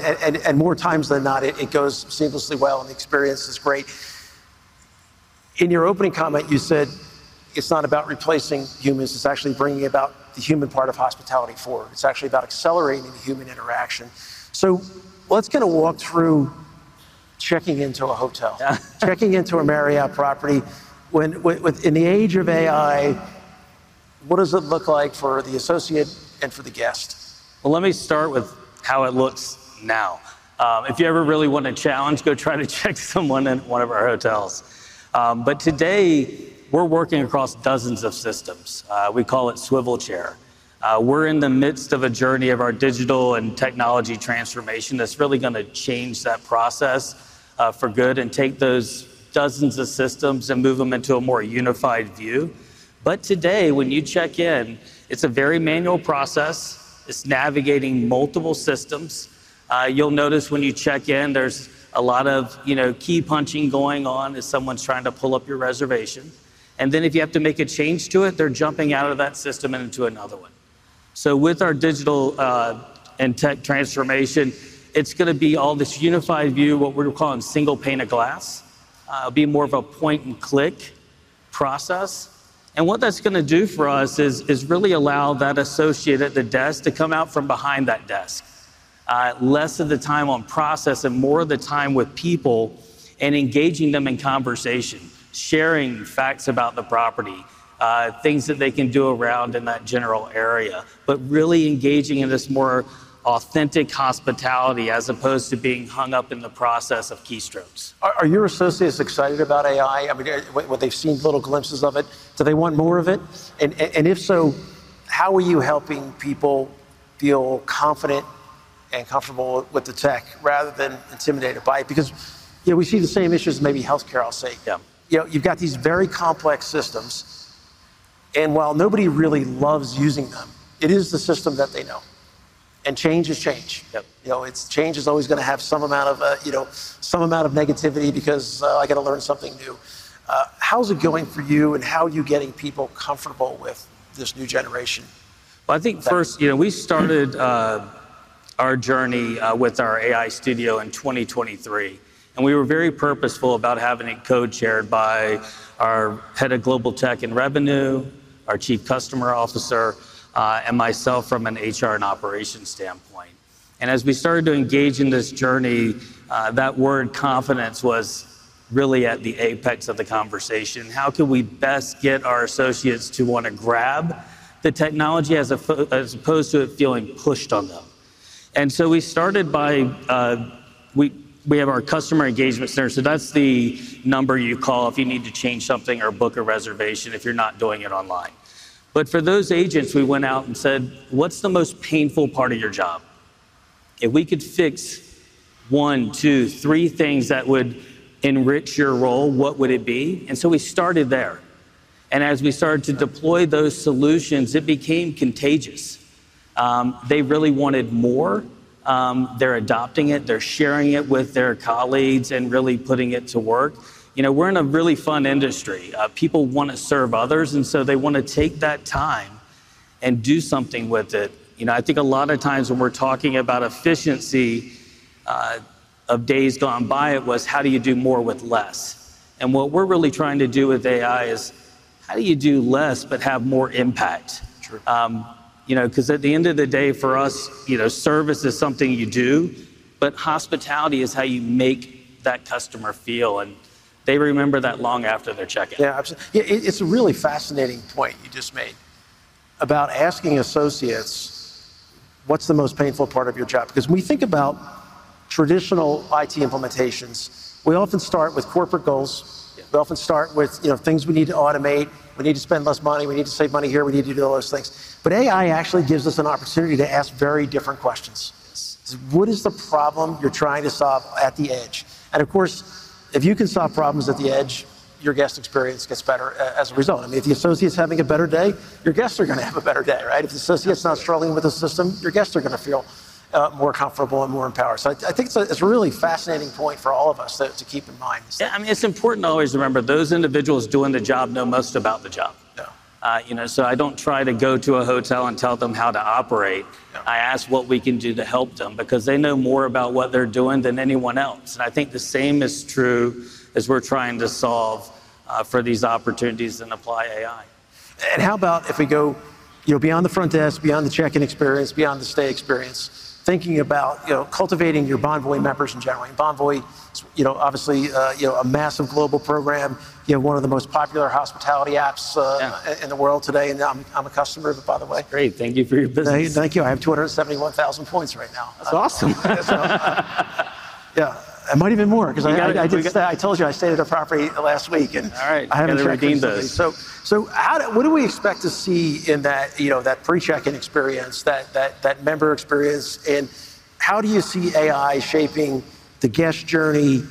More times than not, it goes seamlessly well and the experience is great. In your opening comment, you said it's not about replacing humans, it's actually bringing about the human part of hospitality forward. It's actually about accelerating the human interaction. Let's kind of walk through checking into a hotel, checking into a Marriott property, within the age of AI. What does it look like for the associate and for the guest? Let me start with how it looks now. If you ever really want a challenge, go try to check someone in one of our hotels. Today we're working across dozens of systems. We call it Swivel Chair. We're in the midst of a journey of our digital and technology transformation that's really going to change that process for good and take those dozens of systems and move them into a more unified view. Today when you check in, it's a very manual process. It's navigating multiple systems. You'll notice when you check in, there's a lot of, you know, key punching going on as someone's trying to pull up your reservation. If you have to make a change to it, they're jumping out of that system into another one. With our digital and tech transformation, it's going to be all this unified view, what we're calling single pane of glass. It'll be more of a point and click process. What that's going to do for us is really allow that associate at the desk to come out from behind that desk. Less of the time on process and more of the time with people and engaging them in conversation, sharing facts about the property, things that they can do around in that general area, but really engaging in this more authentic hospitality as opposed to being hung up in the process of keystrokes. Are your associates excited about AI? I mean, what they've seen, little glimpses of it? Do they want more of it? If so, how are you helping people feel confident and comfortable with the tech rather than intimidated by it? You know, we see the same issues, maybe health care. I'll say, you know, you've got these very complex systems, and while nobody really loves using them, it is the system that they know. Change is change. Change is always going to have some amount of negativity because I got to learn something new. How's it going for you, and how are you getting people comfortable with this new generation? I think first, you know, we started our journey with our AI studio in 2023, and we were very purposeful about having it co-chaired by our Head of Global Tech and Revenue, our Chief Customer Officer, and myself from an HR and Operations standpoint. As we started to engage in this journey, that word confidence was really at the apex of the conversation. How could we best get our associates to want to grab the technology as opposed to it feeling pushed on them? We started by looking at our Customer Engagement Center. That's the number you call if you need to change something or book a reservation if you're not doing it online. For those agents, we went out and said, what's the most painful part of your job? If we could fix one, two, three things that would enrich your role, what would it be? We started there, and as we started to deploy those solutions, it became contagious. They really wanted more. They're adopting it, they're sharing it with their colleagues, and really putting it to work. We're in a really fun industry. People want to serve others, and they want to take that time and do something with it. I think a lot of times when we're talking about efficiency of days gone by, it was, how do you do more with less? What we're really trying to do with AI is how do you do less but have more impact? At the end of the day for us, service is something you do, but hospitality is how you make that customer feel. They remember that long after their check-in. Yeah, absolutely. It's a really fascinating point you just made about asking associates, what's the most painful part of your job? Because we think about traditional IT implementations, we often start with corporate goals. We often start with, you know, things we need to automate. We need to spend less money, we need to save money here. We need to do all those things. AI actually gives us an opportunity to ask very different questions. What is the problem you're trying to solve at the edge? If you can solve problems at the edge, your guest experience gets better as a result. I mean, if the associate's having a better day, your guests are going to have a better day. Right. If the associates are not struggling with the system, your guests are going to feel more comfortable and more empowered. I think it's a really fascinating point for all of us to keep in mind. I mean, it's important to always remember those individuals doing the job know most about the job, you know, so I don't try to go to a hotel and tell them how to operate. I ask what we can do to help them, because they know more about what they're doing than anyone else. I think the same is true as we're trying to solve for these opportunities and apply AI. If we go beyond the front desk, beyond the check-in experience, beyond the stay experience, thinking about cultivating your Bonvoy members in general. Bonvoy is obviously a massive global program, one of the most popular hospitality apps in the world today. I'm a customer of it, by the way. Great. Thank you for your business. Thank you. I have 271,000 points right now. That's awesome. Yeah. I might even more because I told you I stayed at a property last week. All right, I haven't redeemed those. What do we expect to see in that pre check-in experience, that member experience? How do you see AI shaping the guest journey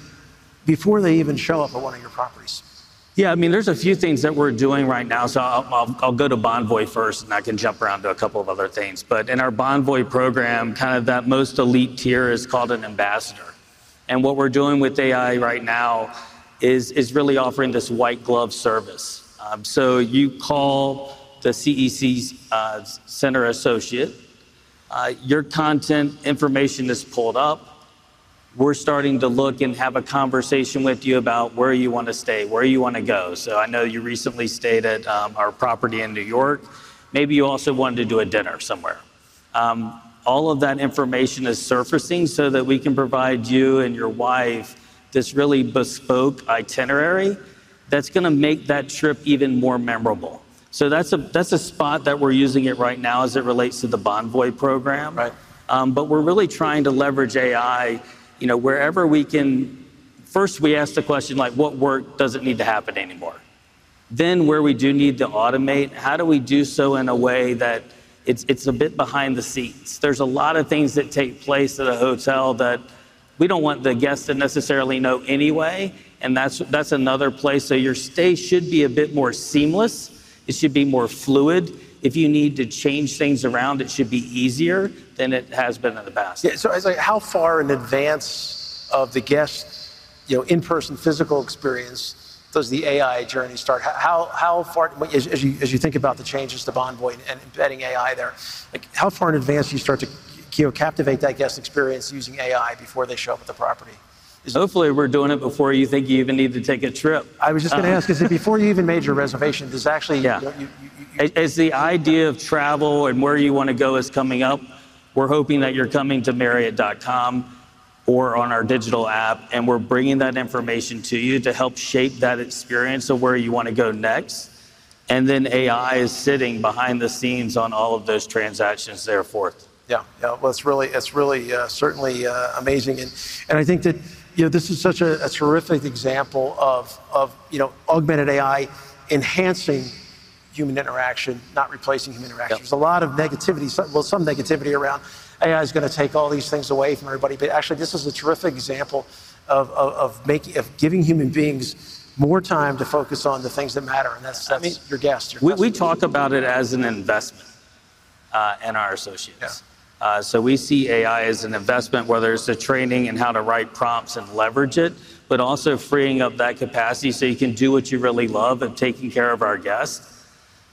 before they even show up at one of your properties? Yeah, I mean, there's a few things that we're doing right now. I'll go to Bonvoy first and I can jump around to a couple of other things. In our Bonvoy program, kind of that most elite tier is called an Ambassador. What we're doing with AI right now is really offering this white glove service. You call the CEC Center Associate, your content information is pulled up. We're starting to look and have a conversation with you about where you want to stay, where you want to go. I know you recently stayed at our property in New York. Maybe you also wanted to do a dinner somewhere. All of that information is surfacing so that we can provide you and your wife this really bespoke itinerary that's going to make that trip even more memorable. That's a spot that we're using it right now as it relates to the Bonvoy program. We're really trying to leverage AI wherever we can. First we ask the question, what work doesn't need to happen anymore? Then where we do need to automate, how do we do so in a way that it's a bit behind the scenes? There's a lot of things that take place at a hotel that we don't want the guests to necessarily know anyway and that's another place. Your stay should be a bit more seamless, it should be more fluid. If you need to change things around, it should be easier than it has been in the past. How far in advance of the guest in-person, physical experience does the AI journey start? As you think about the changes to Bonvoy and embedding AI there, how far in advance do you start to captivate that guest experience using AI before they show up at the property? Hopefully we're doing it before you think you even need to take a trip. I was just going to ask, is it before you even made your reservation? As the idea of travel and where you want to go is coming up, we're hoping that you're coming to Marriott.com or on our digital app, and we're bringing that information to you to help shape that experience, experience of where you want to go next. AI is sitting behind the scenes on all of those transactions there forth. It's really, it's really certainly amazing. I think that, you know, this is such a terrific example of, you know, augmented AI enhancing human interaction, not replacing human interaction. There's a lot of negativity, some negativity around AI is going to take all these things away from everybody. Actually, this is a terrific example of giving human beings more time to focus on the things that matter. And that's your guest. We talk about it as an investment in our associates. We see AI as an investment, whether it's the training and how to write prompts and leverage it, but also freeing up that capacity so you can do what you really love and taking care of our guests.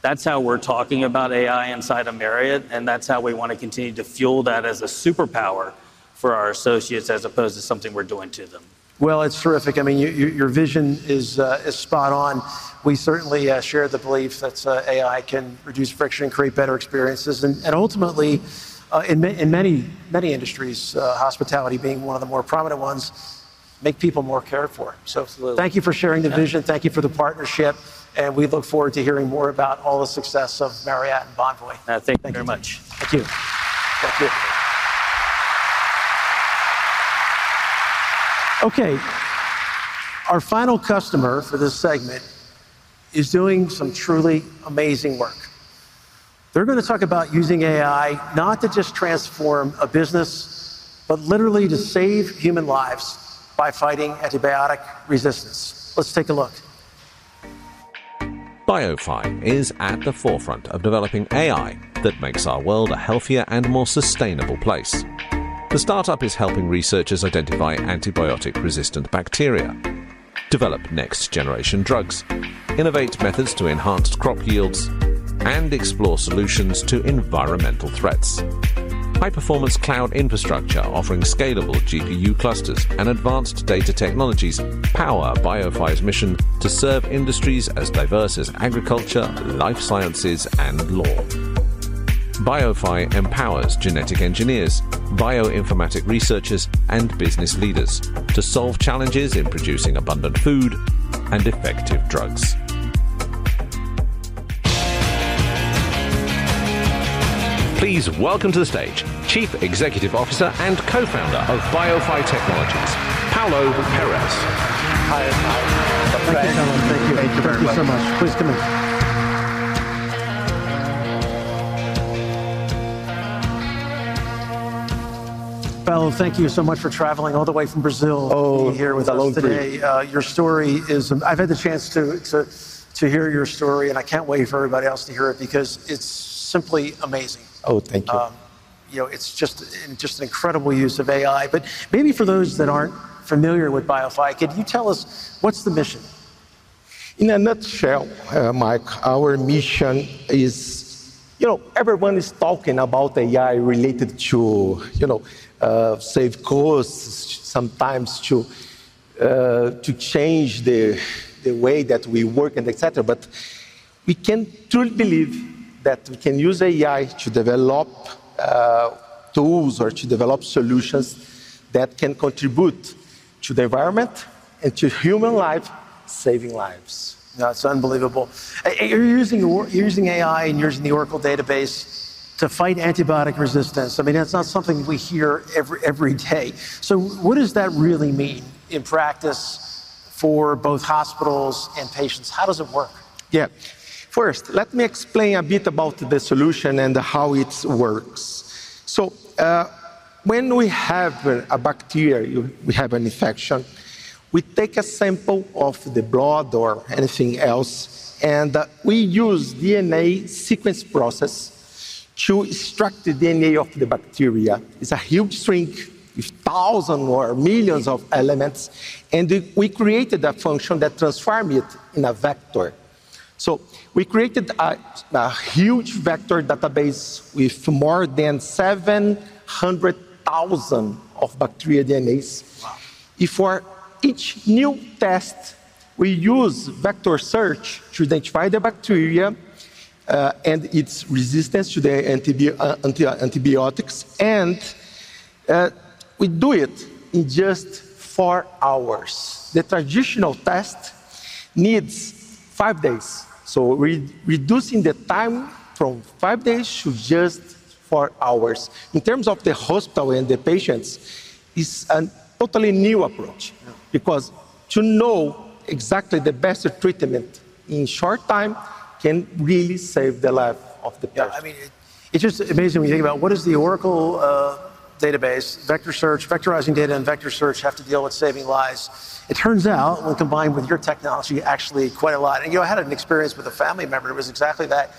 That's how we're talking about AI inside of Marriott, and that's how we want to continue to fuel that as a superpower for our associates as opposed to something we're doing to them. Your vision is spot on. We certainly share the belief that AI can reduce friction, create better experiences, and ultimately in many, many industries, hospitality being one of the more prominent ones, make people more cared for. Thank you for sharing the vision. Thank you for the partnership and we look forward to hearing more about all of the success of Marriott International and Bonvoy now. Thank you very much. Thank you. Thank you. Okay, our final customer for this segment is doing some truly amazing work. They're going to talk about using AI not to just transform a business, but literally to save human lives by fighting antibiotic resistance. Let's take a look. Biofy is at the forefront of developing AI that makes our world a healthier and more sustainable place. The startup is helping researchers identify antibiotic resistant bacteria, develop next generation drugs, innovate methods to enhance crop yields, and explore solutions to environmental threats. High performance cloud infrastructure offers scalable GPU clusters and advanced data technologies. Power Biofy's mission to serve industries as diverse as agriculture, life sciences, and law. Biofy empowers genetic engineers, bioinformatic researchers, and business leaders to solve challenges in producing abundant food and effective drugs. Please welcome to the stage Chief Executive Officer and Co-Founder of Biofy Technologies, Paulo Perez. Hi. Thank you so much. Please come in. Bell, thank you so much for traveling all the way from Brazil here with us today. Your story is amazing. I've had the chance to hear your story and I can't wait for everybody else to hear because it's simply amazing. Thank you. You know, it's just an incredible use of AI. For those `that` ar`en't familiar with Biofy, could you tell us what's the mission? In a nutshell, Mike, our mission is, you know, everyone is talking about AI related to, you know, save costs, sometimes to change the way that we work, et cetera. We truly believe that we can use AI to develop tools or to develop solutions that can contribute to the environment and to human life. Saving lives. That's unbelievable. You're using AI and using the Oracle Database to fight antibiotic resistance. I mean, that's not something we hear every day. What does that really mean in practice for both hospitals and patients? How does it work? Yeah. First, let me explain a bit about the solution and how it works. When we have a bacteria, we have an infection, we take a sample of the blood or anything else, and we use DNA sequence process to extract the DNA of the bacteria. It's a huge string with thousands or millions of elements, and we created a function that transformed it in a vector. We created a huge vector database with more than 700,000 of bacteria DNA's. For each new test, we use vector search to identify the bacteria and its resistance to the antibiotics. We do it in just four hours. The traditional test needs five days. Reducing the time from five days to just four hours in terms of the hospital and the patients is a totally new approach because to know exactly the best treatment in short time can really save the life of the patient. I mean it's just amazing when you think about what is the Oracle Database vector search. Vectorizing data and vector search have to deal with saving lives. It turns out when combined with your technology, actually quite a lot and you had an experience with a family member, it was exactly that.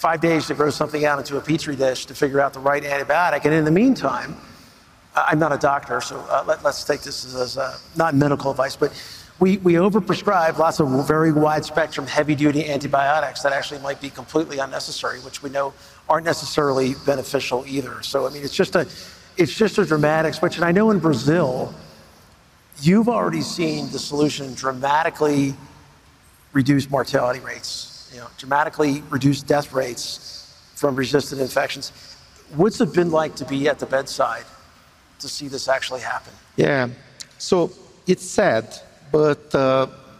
Five days to grow something out into a petri dish to figure out the right antibiotic. In the meantime, I'm not a doctor, so let's take this as not medical advice, but we overprescribe lots of very wide spectrum heavy duty antibiotics that actually might be completely unnecessary, which we know aren't necessarily beneficial either. It's just a dramatic switch. I know in Brazil you've already seen the solution dramatically reduce mortality rates, dramatically reduce death rates from resistant infections. What's it been like to be at the bedside to see this actually happen? Yeah, it's sad but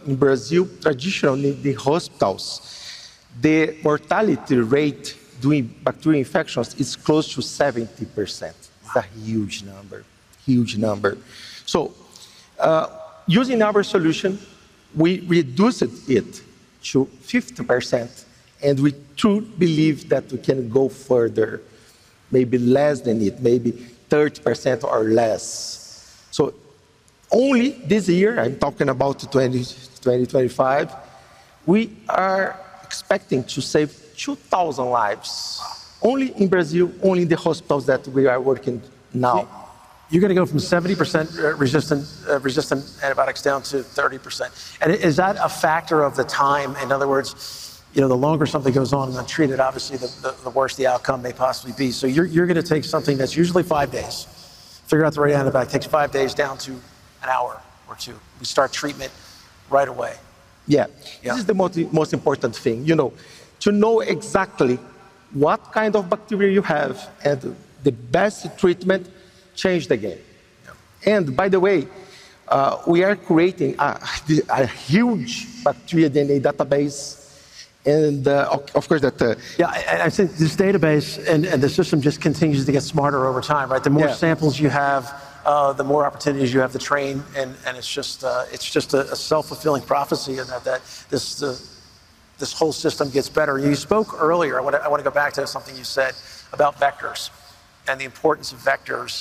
in Brazil, traditionally the hospitals, the mortality rate during bacterial infections is close to 70%. It's a huge number, huge number. Using our solution, we reduced it to 50% and we truly believe that we can go further, maybe less than it, maybe 30% or less. Only this year, I'm talking about 2025, we are expecting to save 2,000 lives, only in Brazil, only in the hospitals that we are working now. You're going to go from 70% resistant antibiotics down to 30%, and is that a factor of the time? In other words, you know, the longer something goes on and untreated, obviously the worse the outcome may possibly be. You're going to take something that's usually five days—figure out the right antibiotics takes five days—down to an hour or two. We start treatment right away. Yeah, this is the most important thing, you know, to know exactly what kind of bacteria you have and the best treatment changed again. By the way, we are creating a huge bacterial DNA database, and of course that, yeah, I think this. Database and the system just continues to get smarter over time. The more samples you have, the more opportunities you have to train. It's just a self-fulfilling prophecy that this whole system gets better. You spoke earlier. I want to go back to something you said about vectors and the importance of vectors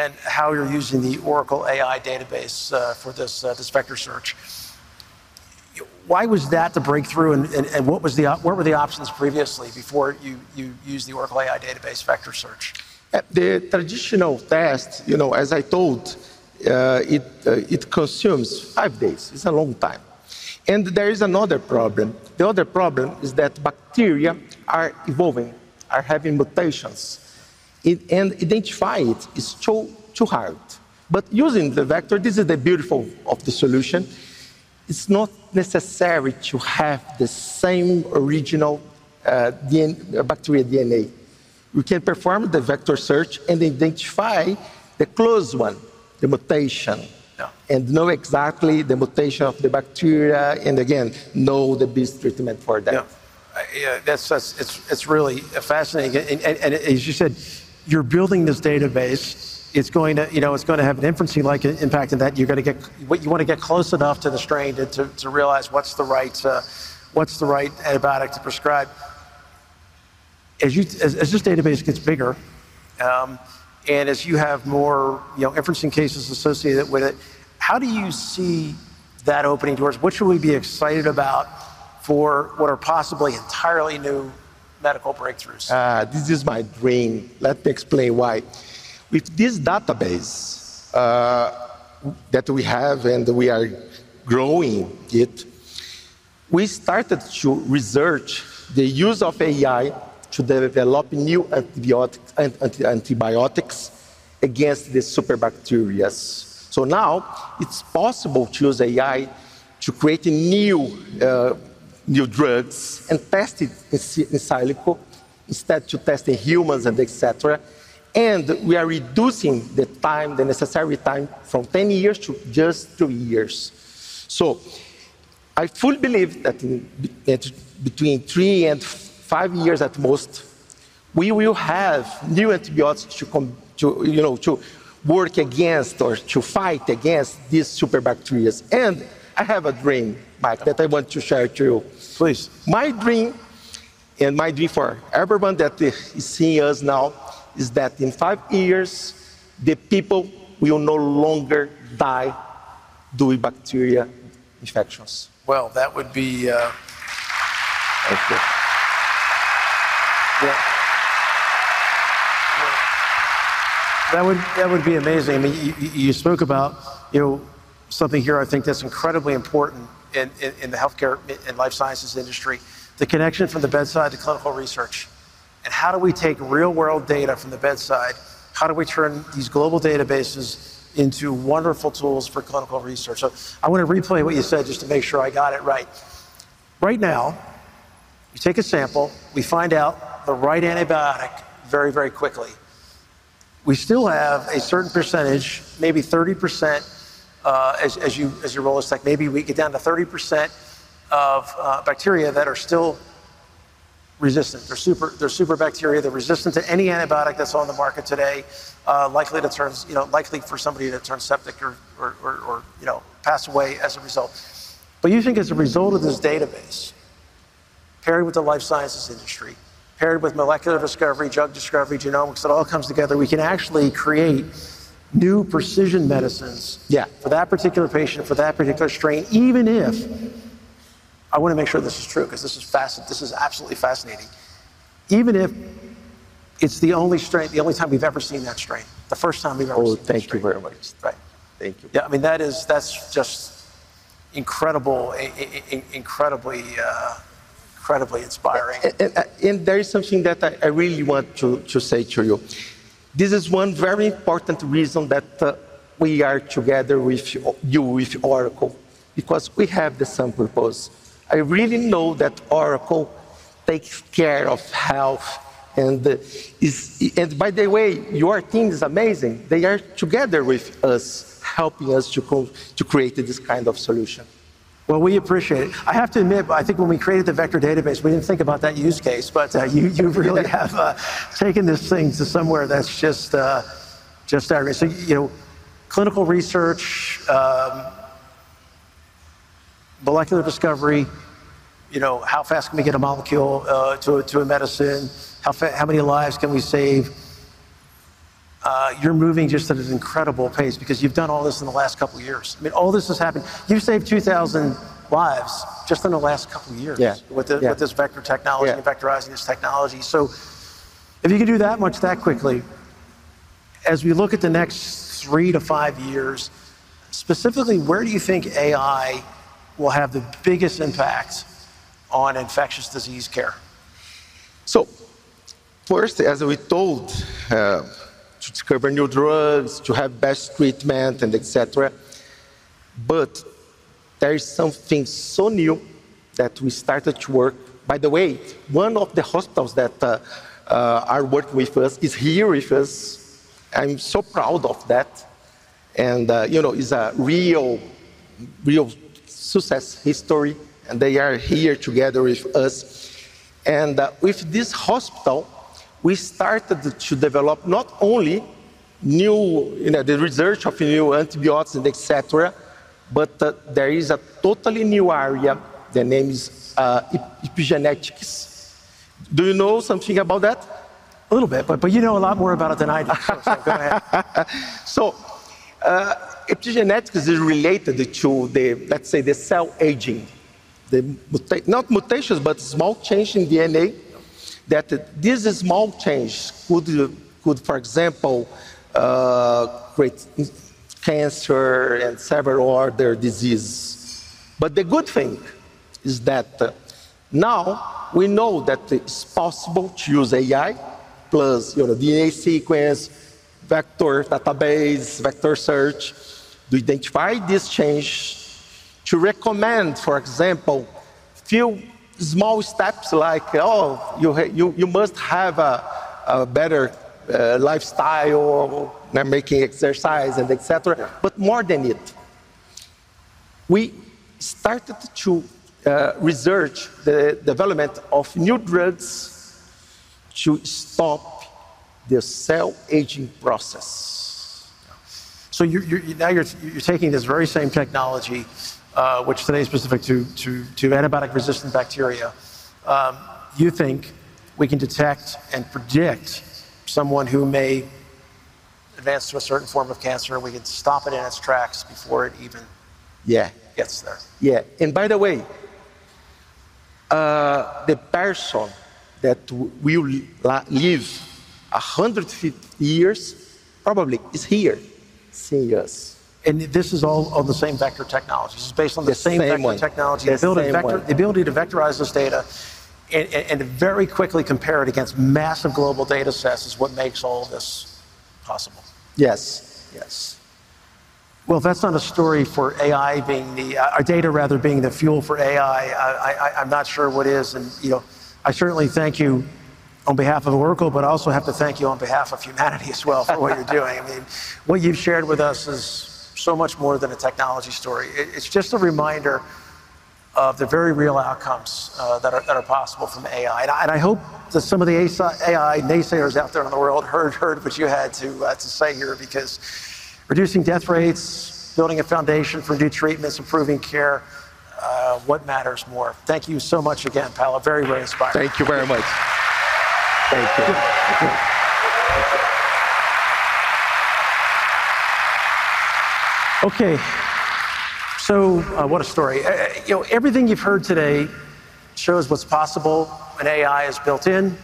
and how you're using the Oracle AI Data Platform for this vector search. Why was that the breakthrough and what were the options previously before you used the Oracle AI Data Platform? Vector search, the traditional test, you know, as I told, it consumes five days. It's a long time. There is another problem. The other problem is that bacteria are evolving, are having mutations, and identifying it is too hard. Using the vector, this is the beauty of the solution. It's not necessary to have the same original bacterial DNA. We can perform the vector search and identify the close one, the mutation, and know exactly the mutation of the bacteria and again know the best treatment for that. It's really fascinating. As you said, you're building this database. It's going to have an inferencing-like impact in that you're going to get what you want to get close enough to the strain to realize what's the right antibiotic to prescribe. As this database gets bigger and as you have more inferencing cases associated with it, how do you see that opening doors? What should we be excited about for what are possibly entirely new medical breakthroughs? This is my dream. Let me explain why. With this database that we have, and we are growing it, we started to research the use of AI to develop new antibiotics against the super bacterias. Now it's possible to use AI to create new drugs and test it in silico instead of testing humans, et cetera. We are reducing the necessary time from 10 years to just two years. I fully believe that between three and five years at most, we will have new antibiotics to work against or to fight against these super bacterias. I have a dream, Mike, that I want to share with you, please. My dream, and my dream for everyone that is seeing us now, is that in five years, people will no longer die due to bacterial infections. You spoke about something here, I think that's incredibly important in the healthcare and life sciences industry. The connection from the bedside to clinical research. How do we take real world data from the bedside? How do we turn these global databases into wonderful tools for clinical research? I want to replay what you said just to make sure I got it right. Right now, you take a sample, we find out the right antibiotic very, very quickly. We still have a certain percentage, maybe 30%, as you roll us, like maybe we get down to 30% of bacteria that are still resistant. They're super, they're super bacteria. They're resistant to any antibiotic that's on the market today, likely to turn, you know, likely for somebody that turns septic or, you know, pass away as a result. You think as a result of this database paired with the life sciences industry, paired with molecular discovery, drug discovery, genomics, it all comes together, we can actually create new precision medicines. Yeah. For that particular patient, for that particular strain. I want to make sure this is true, because this is fascinating. This is absolutely fascinating. Even if it's the only strain, the only time we've ever seen that strain, the first time we've ever seen that. Oh, thank you very much. Thank you. Yeah, I mean, that is just incredible. Incredibly, incredibly inspiring. There is something that I really want to say to you. This is one very important reason that we are together with you, with Oracle, because we have the same purpose. I really know that Oracle takes care of health. By the way, your team is amazing. They are together with us helping us to create this kind of solution. I have to admit, I think when we created the vector database, we didn't think about that use case. You really have taken this thing to somewhere that's just, you know, clinical research, molecular discovery, you know, how fast can we get a molecule to a medicine? How fast, how many lives can we save? You're moving just at an incredible pace because you've done all this in the last couple years. I mean, all this has happened. You saved 2,000 lives just in the last couple years with this vector technology, vectorizing this technology. If you can do that much that quickly, as we look at the next three to five years, specifically, where do you think AI will have the biggest impact on infectious disease care? First, as we told, to discover new drugs, to have best treatment, et cetera. There is something so new that we started to work. By the way, one of the hospitals that are working with us is here with us. I'm so proud of that. You know, it's a real success history. They are here together with us and with this hospital. We still started to develop not only new, the research of new antibiotics, et cetera, but there is a totally new area. The name is epigenetics. Do you know something about that? A little bit, but you know a lot more about it than I do. Go ahead. Epigenetics is related to the, let's say, the cell aging. Not mutations, but small, small change in DNA that this small change could, for example, create cancer and several other diseases. The good thing is that now we know that it's possible to use AI plus DNA sequence vector database, vector search to identify this change. To recommend, for example, few small steps like, oh, you must have a better lifestyle, making exercise and etc. More than it, we started to research the development of new drugs to stop the cell aging process. You are taking this very same technology, which today is specific to antibiotic resistant bacteria. You think we can detect and predict someone who may advance to a certain form of cancer? We can stop it in its tracks before it even gets there. By the way, the person that will live 100 years probably is here seeing us. This is all of the same vector technologies based on the same technology. The ability to vectorize this data and very quickly compare it against massive global data sets is what makes all this possible. Yes. Yes. That's not a story for AI being our data, rather being the fuel for AI. Not sure what is. I certainly thank you on behalf of Oracle, but I also have to thank you on behalf of humanity as well for what you're doing. What you've shared with us is so much more than a technology story. It's just a reminder of the very real outcomes that are possible from AI. I hope that some of the AI naysayers out there in the world heard what you had to say here because reducing death rates, building a foundation for new treatments, improving care, what matters more? Thank you so much again, Paulo. Very, very inspiring. Thank you very much. Thank you. Okay, what a story, you know, everything you've heard today shows what's possible when AI is built in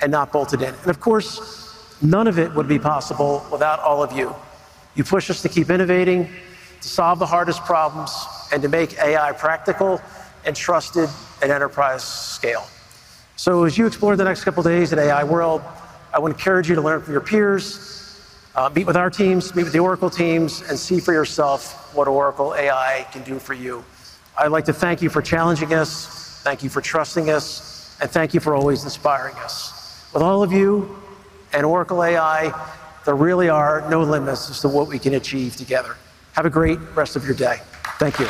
and not bolted in. Of course, none of it would be possible without all of you. You push us to keep innovating, to solve the hardest problems, and to make AI practical and trusted at enterprise scale. As you explore the next couple days at AI World, I would encourage you to learn from your peers. Meet with our teams, meet with the Oracle teams, and see for yourself what Oracle AI can do for you. I'd like to thank you for challenging us, thank you for trusting us, and thank you for always inspiring us. With all of you and Oracle AI, there really are no limits as to what we can achieve together. Have a great rest of your day. Thank you.